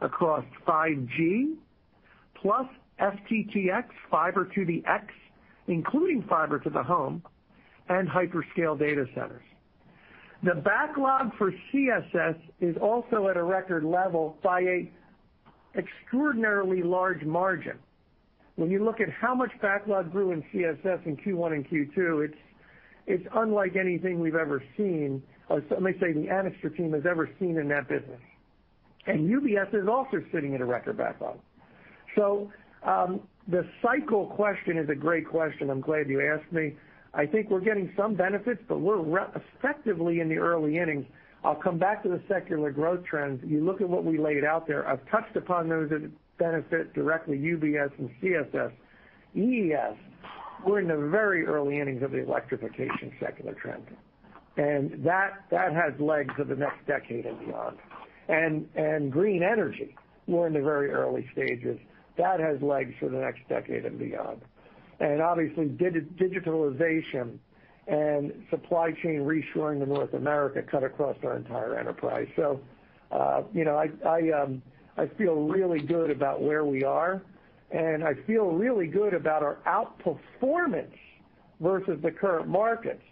across 5G plus FTTx, Fiber to the x, including Fiber to the Home, and hyperscale data centers. The backlog for CSS is also at a record level by an extraordinarily large margin. When you look at how much backlog grew in CSS in Q1 and Q2, it's unlike anything we've ever seen, or let me say, the Anixter team has ever seen in that business. UBS is also sitting at a record backlog. The cycle question is a great question. I'm glad you asked me. I think we're getting some benefits, but we're effectively in the early innings. I'll come back to the secular growth trends. You look at what we laid out there. I've touched upon those that benefit directly, UBS and CSS. EES, we're in the very early innings of the electrification secular trend, that has legs for the next decade and beyond. Green energy, we're in the very early stages. That has legs for the next decade and beyond. Obviously, digitalization and supply chain reshoring to North America cut across our entire enterprise. I feel really good about where we are, and I feel really good about our outperformance versus the current markets.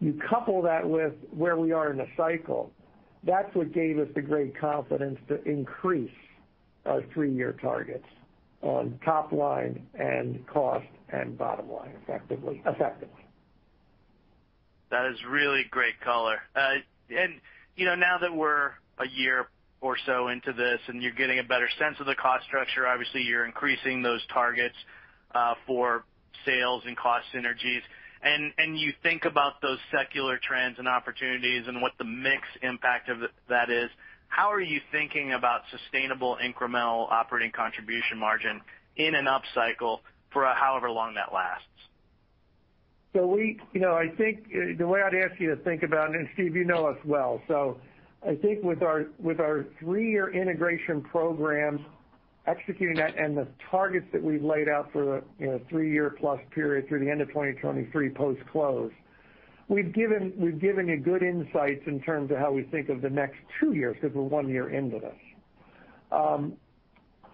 You couple that with where we are in the cycle, that's what gave us the great confidence to increase our three-year targets on top line and cost and bottom line effectively. That is really great color. Now that we're a year or so into this and you're getting a better sense of the cost structure, obviously you're increasing those targets for sales and cost synergies. You think about those secular trends and opportunities and what the mix impact of that is. How are you thinking about sustainable incremental operating contribution margin in an upcycle for however long that lasts? I think the way I'd ask you to think about it, and Steve, you know us well. I think with our three-year integration program, executing that and the targets that we've laid out for the three-year plus period through the end of 2023 post-close, we've given you good insights in terms of how we think of the next two years, because we're one year into this.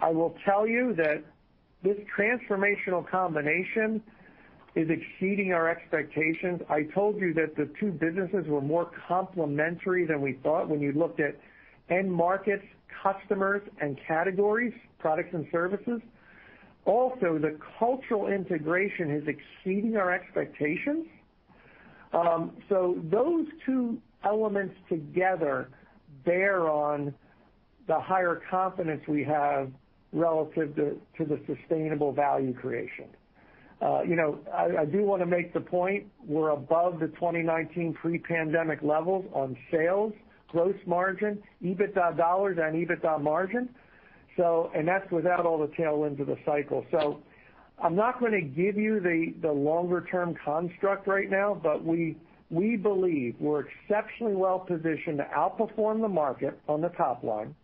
I will tell you that this transformational combination is exceeding our expectations. I told you that the two businesses were more complementary than we thought when you looked at end markets, customers, and categories, products and services. Also, the cultural integration is exceeding our expectations. Those two elements together bear on the higher confidence we have relative to the sustainable value creation. I do want to make the point, we're above the 2019 pre-pandemic levels on sales, gross margin, EBITDA dollars, and EBITDA margin. That's without all the tailwinds of the cycle. I'm not going to give you the longer-term construct right now, but we believe we're exceptionally well-positioned to outperform the market on the top line,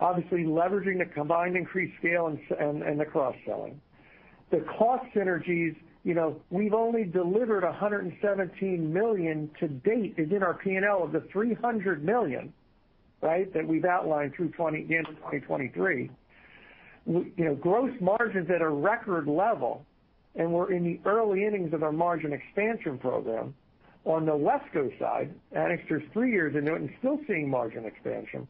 obviously leveraging the combined increased scale and the cross-selling. The cost synergies, we've only delivered $117 million to date within our P&L of the $300 million that we've outlined through the end of 2023. Gross margin's at a record level. We're in the early innings of our margin expansion program. On the WESCO side, Anixter's three years into it, still seeing margin expansion.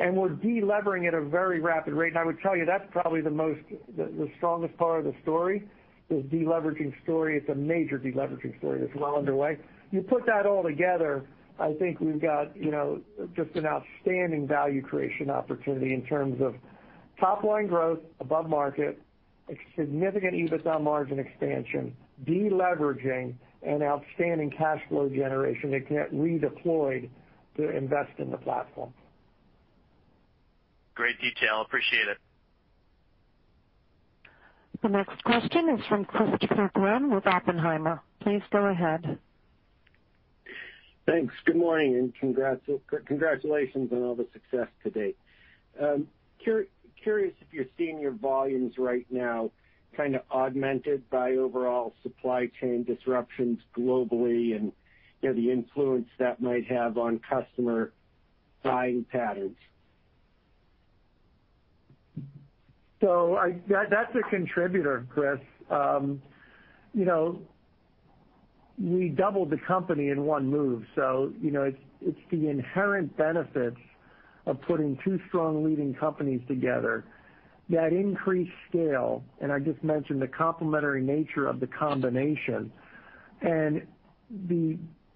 We're de-levering at a very rapid rate. I would tell you that's probably the strongest part of the story, this de-leveraging story. It's a major de-leveraging story that's well underway. You put that all together, I think we've got just an outstanding value creation opportunity in terms of top-line growth above market, a significant EBITDA margin expansion, de-leveraging, and outstanding cash flow generation that can get redeployed to invest in the platform. Great detail. Appreciate it. The next question is from Christopher Glynn with Oppenheimer. Please go ahead. Thanks. Good morning. Congratulations on all the success to date. Curious if you're seeing your volumes right now kind of augmented by overall supply chain disruptions globally and the influence that might have on customer buying patterns? That's a contributor, Chris. We doubled the company in one move. It's the inherent benefits of putting two strong leading companies together. That increased scale, and I just mentioned the complementary nature of the combination, and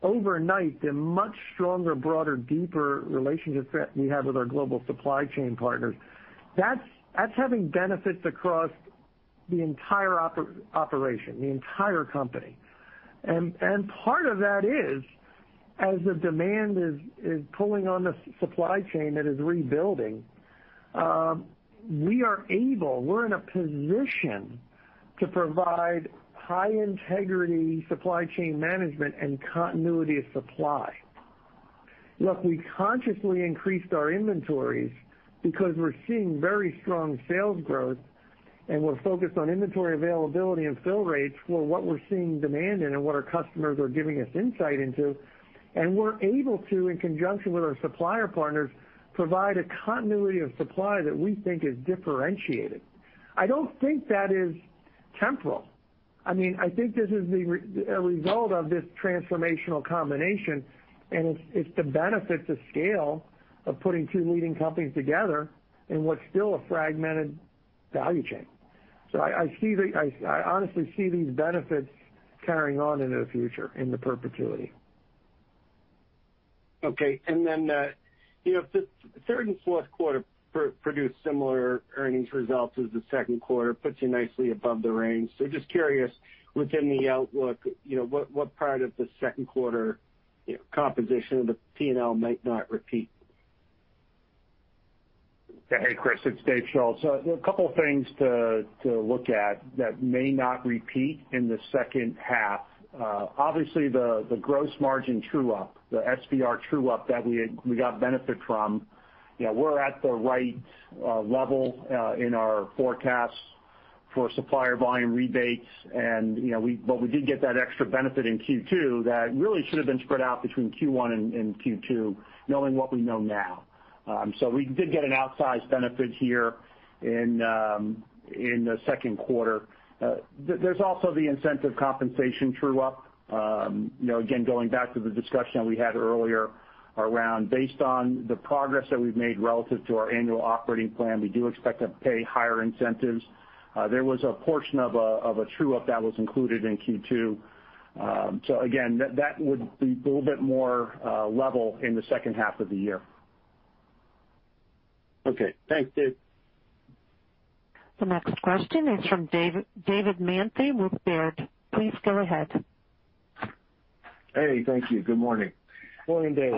overnight, the much stronger, broader, deeper relationships that we have with our global supply chain partners. That's having benefits across the entire operation, the entire company. Part of that is, as the demand is pulling on the supply chain that is rebuilding, we're in a position to provide high-integrity supply chain management and continuity of supply. Look, we consciously increased our inventories because we're seeing very strong sales growth, and we're focused on inventory availability and fill rates for what we're seeing demand in and what our customers are giving us insight into. We're able to, in conjunction with our supplier partners, provide a continuity of supply that we think is differentiated. I don't think that is temporal. I think this is the result of this transformational combination, and it's the benefit to scale of putting two leading companies together in what's still a fragmented value chain. I honestly see these benefits carrying on into the future in the perpetuity. If the third and fourth quarter produce similar earnings results as the second quarter, puts you nicely above the range. Just curious, within the outlook, what part of the second quarter composition of the P&L might not repeat? Hey, Chris, it's Dave Schulz. A couple of things to look at that may not repeat in the second half. Obviously, the gross margin true-up, the SVR true-up that we got benefit from. We're at the right level in our forecasts for supplier volume rebates, but we did get that extra benefit in Q2 that really should've been spread out between Q1 and Q2, knowing what we know now. We did get an outsized benefit here in the second quarter. There's also the incentive compensation true-up. Again, going back to the discussion that we had earlier around based on the progress that we've made relative to our annual operating plan, we do expect to pay higher incentives. There was a portion of a true-up that was included in Q2. Again, that would be a little bit more level in the second half of the year. Okay. Thanks, Dave. The next question is from David Manthey, Baird. Please go ahead. Hey, thank you. Good morning. Morning, Dave.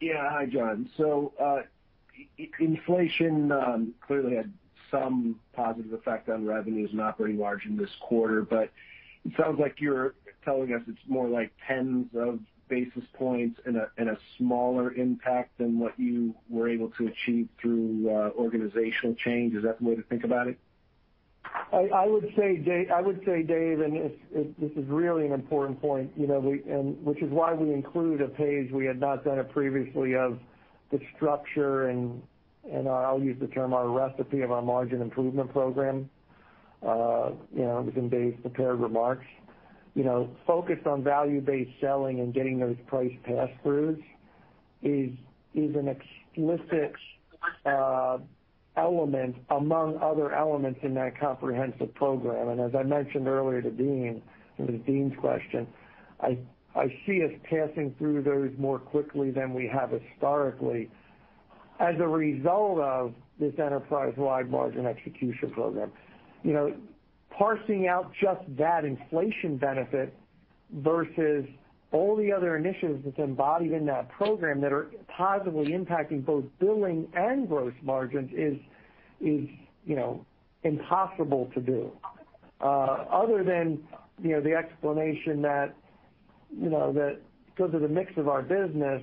Yeah. Hi, John. Inflation clearly had some positive effect on revenues and operating margin this quarter. It sounds like you're telling us it's more like tens of basis points and a smaller impact than what you were able to achieve through organizational change. Is that the way to think about it? I would say, Dave, and this is really an important point, which is why we include a page, we had not done it previously, of the structure and I'll use the term our recipe of our margin improvement program within Dave's prepared remarks. Focused on value-based selling and getting those price pass-throughs is an explicit element among other elements in that comprehensive program. As I mentioned earlier to Deane, in Deane's question, I see us passing through those more quickly than we have historically as a result of this enterprise-wide margin execution program. Parsing out just that inflation benefit versus all the other initiatives that's embodied in that program that are positively impacting both billing and gross margins is impossible to do. Other than the explanation that because of the mix of our business,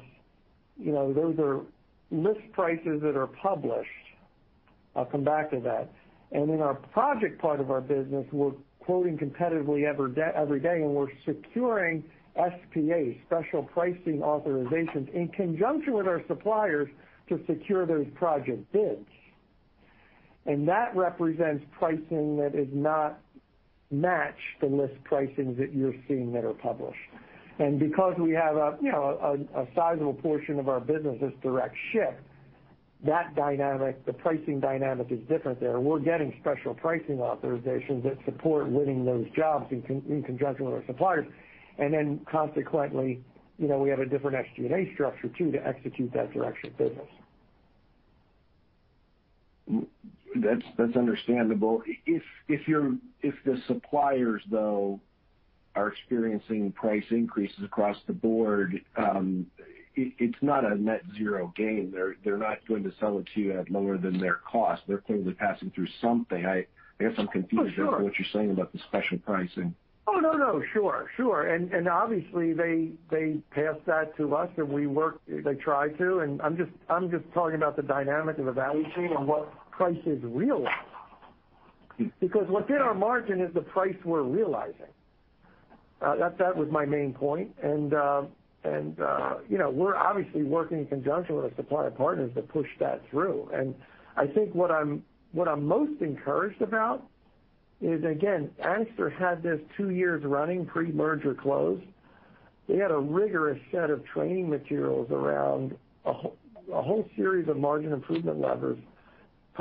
those are list prices that are published. I'll come back to that. In our project part of our business, we're quoting competitively every day, and we're securing SPAs, special pricing authorizations, in conjunction with our suppliers to secure those project bids. That represents pricing that does not match the list pricing that you're seeing that are published. Because we have a sizable portion of our business is direct ship, that dynamic, the pricing dynamic is different there. We're getting special pricing authorizations that support winning those jobs in conjunction with our suppliers. Consequently, we have a different SG&A structure too, to execute that direction of business. That's understandable. If the suppliers, though, are experiencing price increases across the board, it's not a net zero gain. They're not going to sell it to you at lower than their cost. They're clearly passing through something. I guess I'm confused. Oh, sure. about what you're saying about the special pricing. Oh, no. Sure. Obviously, they pass that to us, they try to. I'm just talking about the dynamic of the value chain and what price is realized because within our margin is the price we're realizing. That was my main point. We're obviously working in conjunction with our supplier partners to push that through. I think what I'm most encouraged about is, again, Anixter had this two years running pre-merger close. They had a rigorous set of training materials around a whole series of margin improvement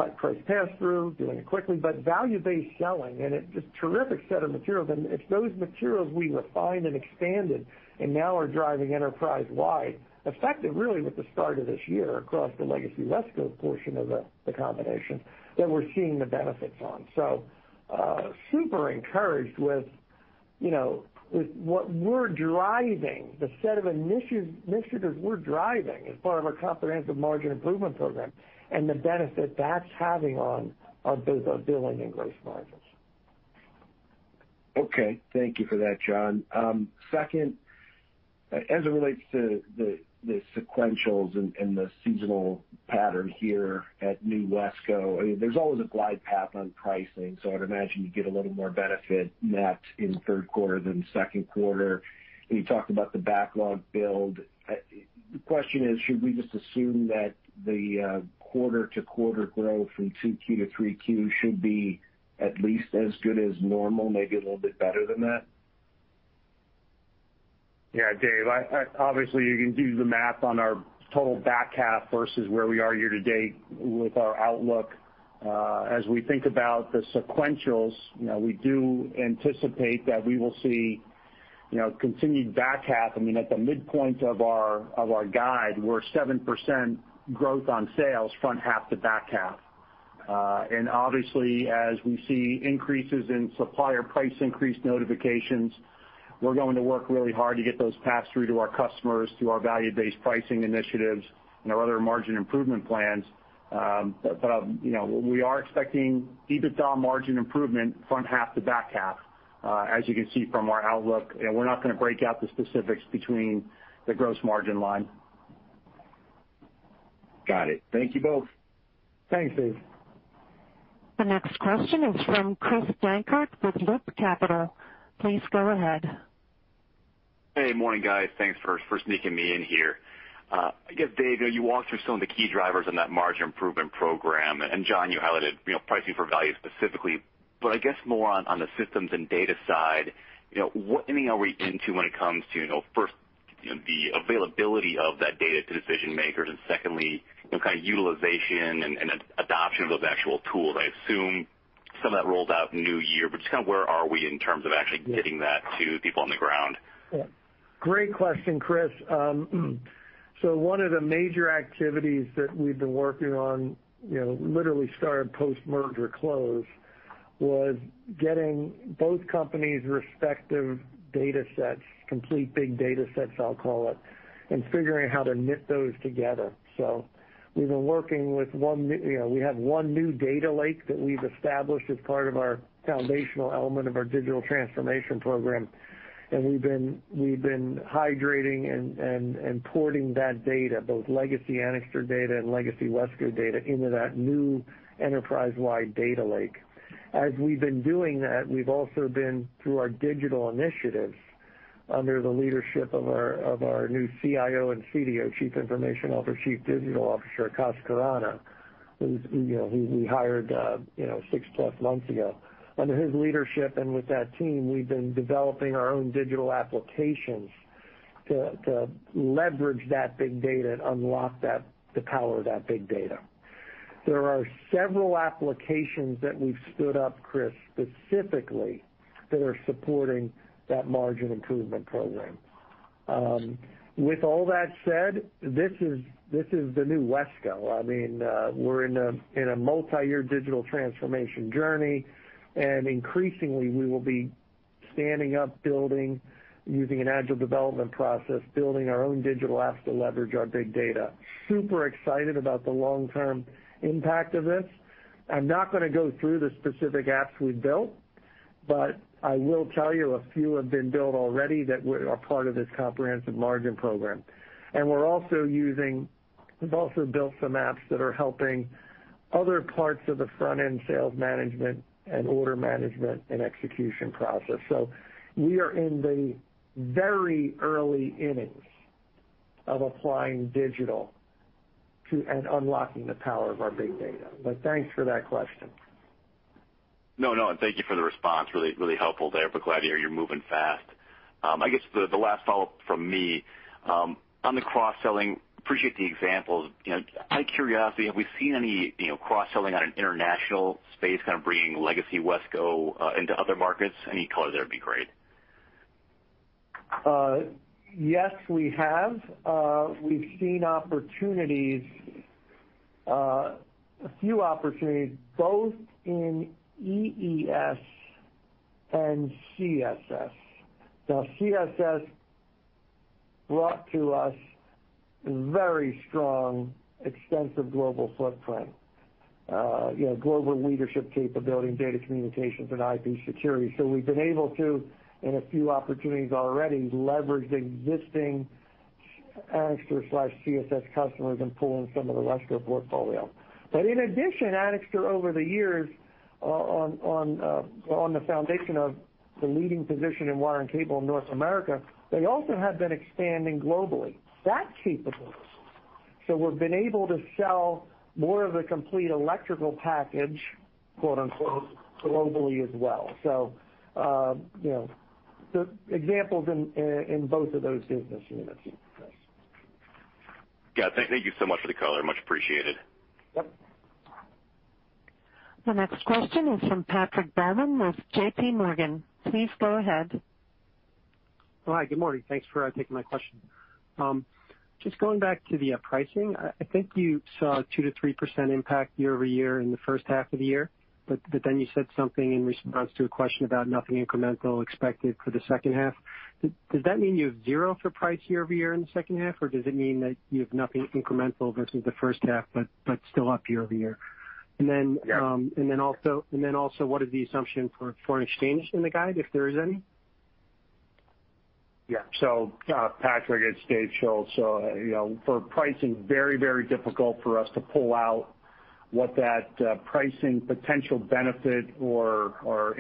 levers, price pass-through, doing it quickly, but value-based selling, and a terrific set of materials. It's those materials we refined and expanded and now are driving enterprise-wide, effective really with the start of this year across the legacy WESCO portion of the combination that we're seeing the benefits on. Super encouraged with what we're driving, the set of initiatives we're driving as part of our comprehensive margin improvement program and the benefit that's having on our billing and gross margins. Okay. Thank you for that, John. Second, as it relates to the sequentials and the seasonal pattern here at new WESCO, there's always a glide path on pricing. I'd imagine you get a little more benefit net in the third quarter than the second quarter. You talked about the backlog build. The question is, should we just assume that the quarter-to-quarter growth from 2Q-3Q should be at least as good as normal, maybe a little bit better than that? Yeah. Dave, obviously, you can do the math on our total back half versus where we are year to date with our outlook. As we think about the sequentials, we do anticipate that we will see continued back half. At the midpoint of our guide, we're 7% growth on sales front half to back half. Obviously, as we see increases in supplier price increase notifications, we're going to work really hard to get those passed through to our customers, through our value-based pricing initiatives and our other margin improvement plans. We are expecting EBITDA margin improvement front half to back half. As you can see from our outlook, we're not going to break out the specifics between the gross margin line. Got it. Thank you both. Thanks, Dave. The next question is from Chris Dankert with Loop Capital. Please go ahead. Hey. Morning, guys. Thanks for sneaking me in here. I guess, Dave, you walked through some of the key drivers on that margin improvement program. John, you highlighted pricing for value specifically. I guess more on the systems and data side, what are we into when it comes to, first, the availability of that data to decision makers, and secondly, kind of utilization and adoption of those actual tools? I assume some of that rolls out new year, but just kind of where are we in terms of actually getting that to people on the ground? Great question, Chris. One of the major activities that we've been working on, literally started post-merger close, was getting both companies' respective datasets, complete big datasets I'll call it, and figuring how to knit those together. We have one new data lake that we've established as part of our foundational element of our digital transformation program, and we've been hydrating and porting that data, both legacy Anixter data and legacy WESCO data, into that new enterprise-wide data lake. As we've been doing that, we've also been through our digital initiatives under the leadership of our new CIO and CDO, Chief Information Officer, Chief Digital Officer, Akash Khurana, who we hired 6+ months ago. Under his leadership and with that team, we've been developing our own digital applications to leverage that big data and unlock the power of that big data. There are several applications that we've stood up, Chris, specifically that are supporting that margin improvement program. With all that said, this is the new WESCO. We're in a multi-year digital transformation journey, and increasingly we will be standing up, building using an agile development process, building our own digital apps to leverage our big data. Super excited about the long-term impact of this. I'm not going to go through the specific apps we've built, but I will tell you a few have been built already that are part of this comprehensive margin program. We've also built some apps that are helping other parts of the front-end sales management and order management and execution process. We are in the very early innings of applying digital and unlocking the power of our big data. Thanks for that question. No, thank you for the response. Really helpful there. Glad to hear you're moving fast. I guess the last follow-up from me. On the cross-selling, appreciate the examples. Out of curiosity, have we seen any cross-selling on an international space, kind of bringing legacy WESCO into other markets? Any color there would be great. Yes, we have. We've seen a few opportunities both in EES and CSS. CSS brought to us very strong, extensive global footprint. Global leadership capability in data communications and IP security. We've been able to, in a few opportunities already, leverage existing Anixter/CSS customers and pull in some of the WESCO portfolio. In addition, Anixter, over the years, on the foundation of the leading position in wire and cable in North America, they also have been expanding globally. That's capable. We've been able to sell more of the complete electrical package, quote-unquote, globally as well. The examples in both of those business units. Yeah. Thank you so much for the call. Much appreciated. Yep. The next question is from Patrick Baumann with JPMorgan. Please go ahead. Hi, good morning. Thanks for taking my question. Just going back to the pricing. I think you saw 2%-3% impact year-over-year in the first half of the year, but then you said something in response to a question about nothing incremental expected for the second half. Does that mean you have zero for price year-over-year in the second half, or does it mean that you have nothing incremental versus the first half, but still up year-over-year? Yeah. Also, what is the assumption for foreign exchange in the guide, if there is any? Yeah. Patrick, it's Dave Schulz. For pricing, very difficult for us to pull out what that pricing potential benefit or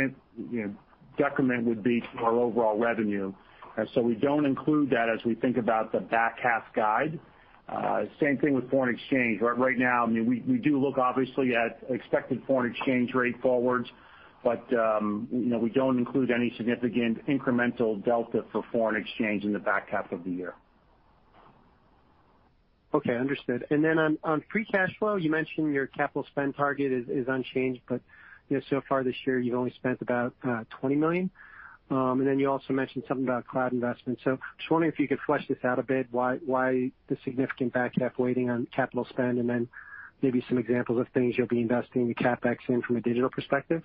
detriment would be to our overall revenue. We don't include that as we think about the back half guide. Same thing with foreign exchange. Right now, we do look obviously at expected foreign exchange rate forwards, but we don't include any significant incremental delta for foreign exchange in the back half of the year. Okay, understood. On free cash flow, you mentioned your capital spend target is unchanged, but so far this year you've only spent about $20 million. You also mentioned something about cloud investment. Just wondering if you could flesh this out a bit. Why the significant back half weighting on capital spend and then maybe some examples of things you'll be investing the CapEx in from a digital perspective?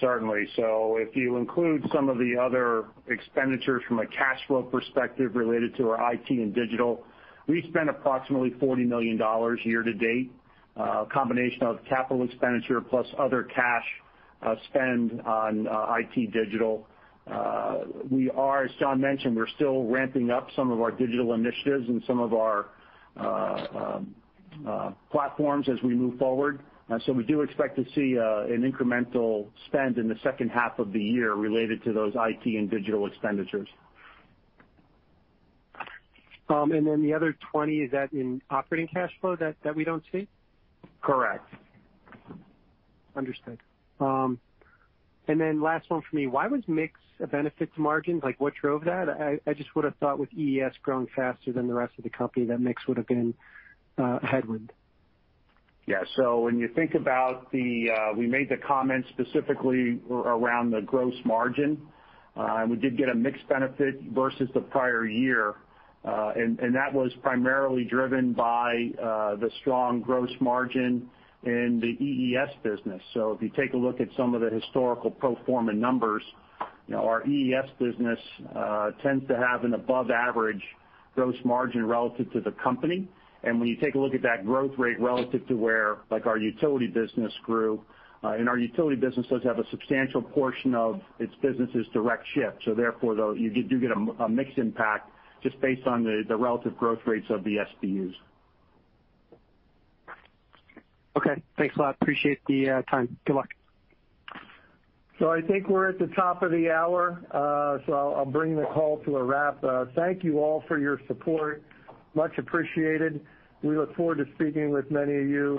Certainly. If you include some of the other expenditures from a cash flow perspective related to our IT and digital, we spent approximately $40 million year-to-date. A combination of capital expenditure plus other cash spend on IT digital. We are, as John mentioned, we're still ramping up some of our digital initiatives and some of our platforms as we move forward. We do expect to see an incremental spend in the second half of the year related to those IT and digital expenditures. The other $20 million, is that in operating cash flow that we don't see? Correct. Understood. Last one for me. Why was mix a benefit to margins? Like what drove that? I just would've thought with EES growing faster than the rest of the company, that mix would've been a headwind. Yeah. When you think about, we made the comment specifically around the gross margin. We did get a mix benefit versus the prior year. That was primarily driven by the strong gross margin in the EES business. If you take a look at some of the historical pro forma numbers, our EES business tends to have an above-average gross margin relative to the company. When you take a look at that growth rate relative to where, like our Utility business grew, and our Utility business does have a substantial portion of its business is direct ship, so therefore though, you do get a mix impact just based on the relative growth rates of the SBUs. Okay. Thanks a lot. Appreciate the time. Good luck. I think we're at the top of the hour, so I'll bring the call to a wrap. Thank you all for your support. Much appreciated. We look forward to speaking with many of you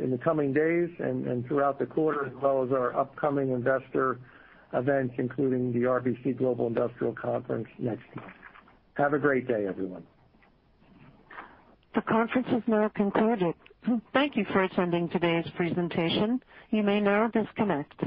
in the coming days and throughout the quarter, as well as our upcoming investor events, including the RBC Global Industrials Conference next month. Have a great day, everyone. The conference is now concluded. Thank you for attending today's presentation. You may now disconnect.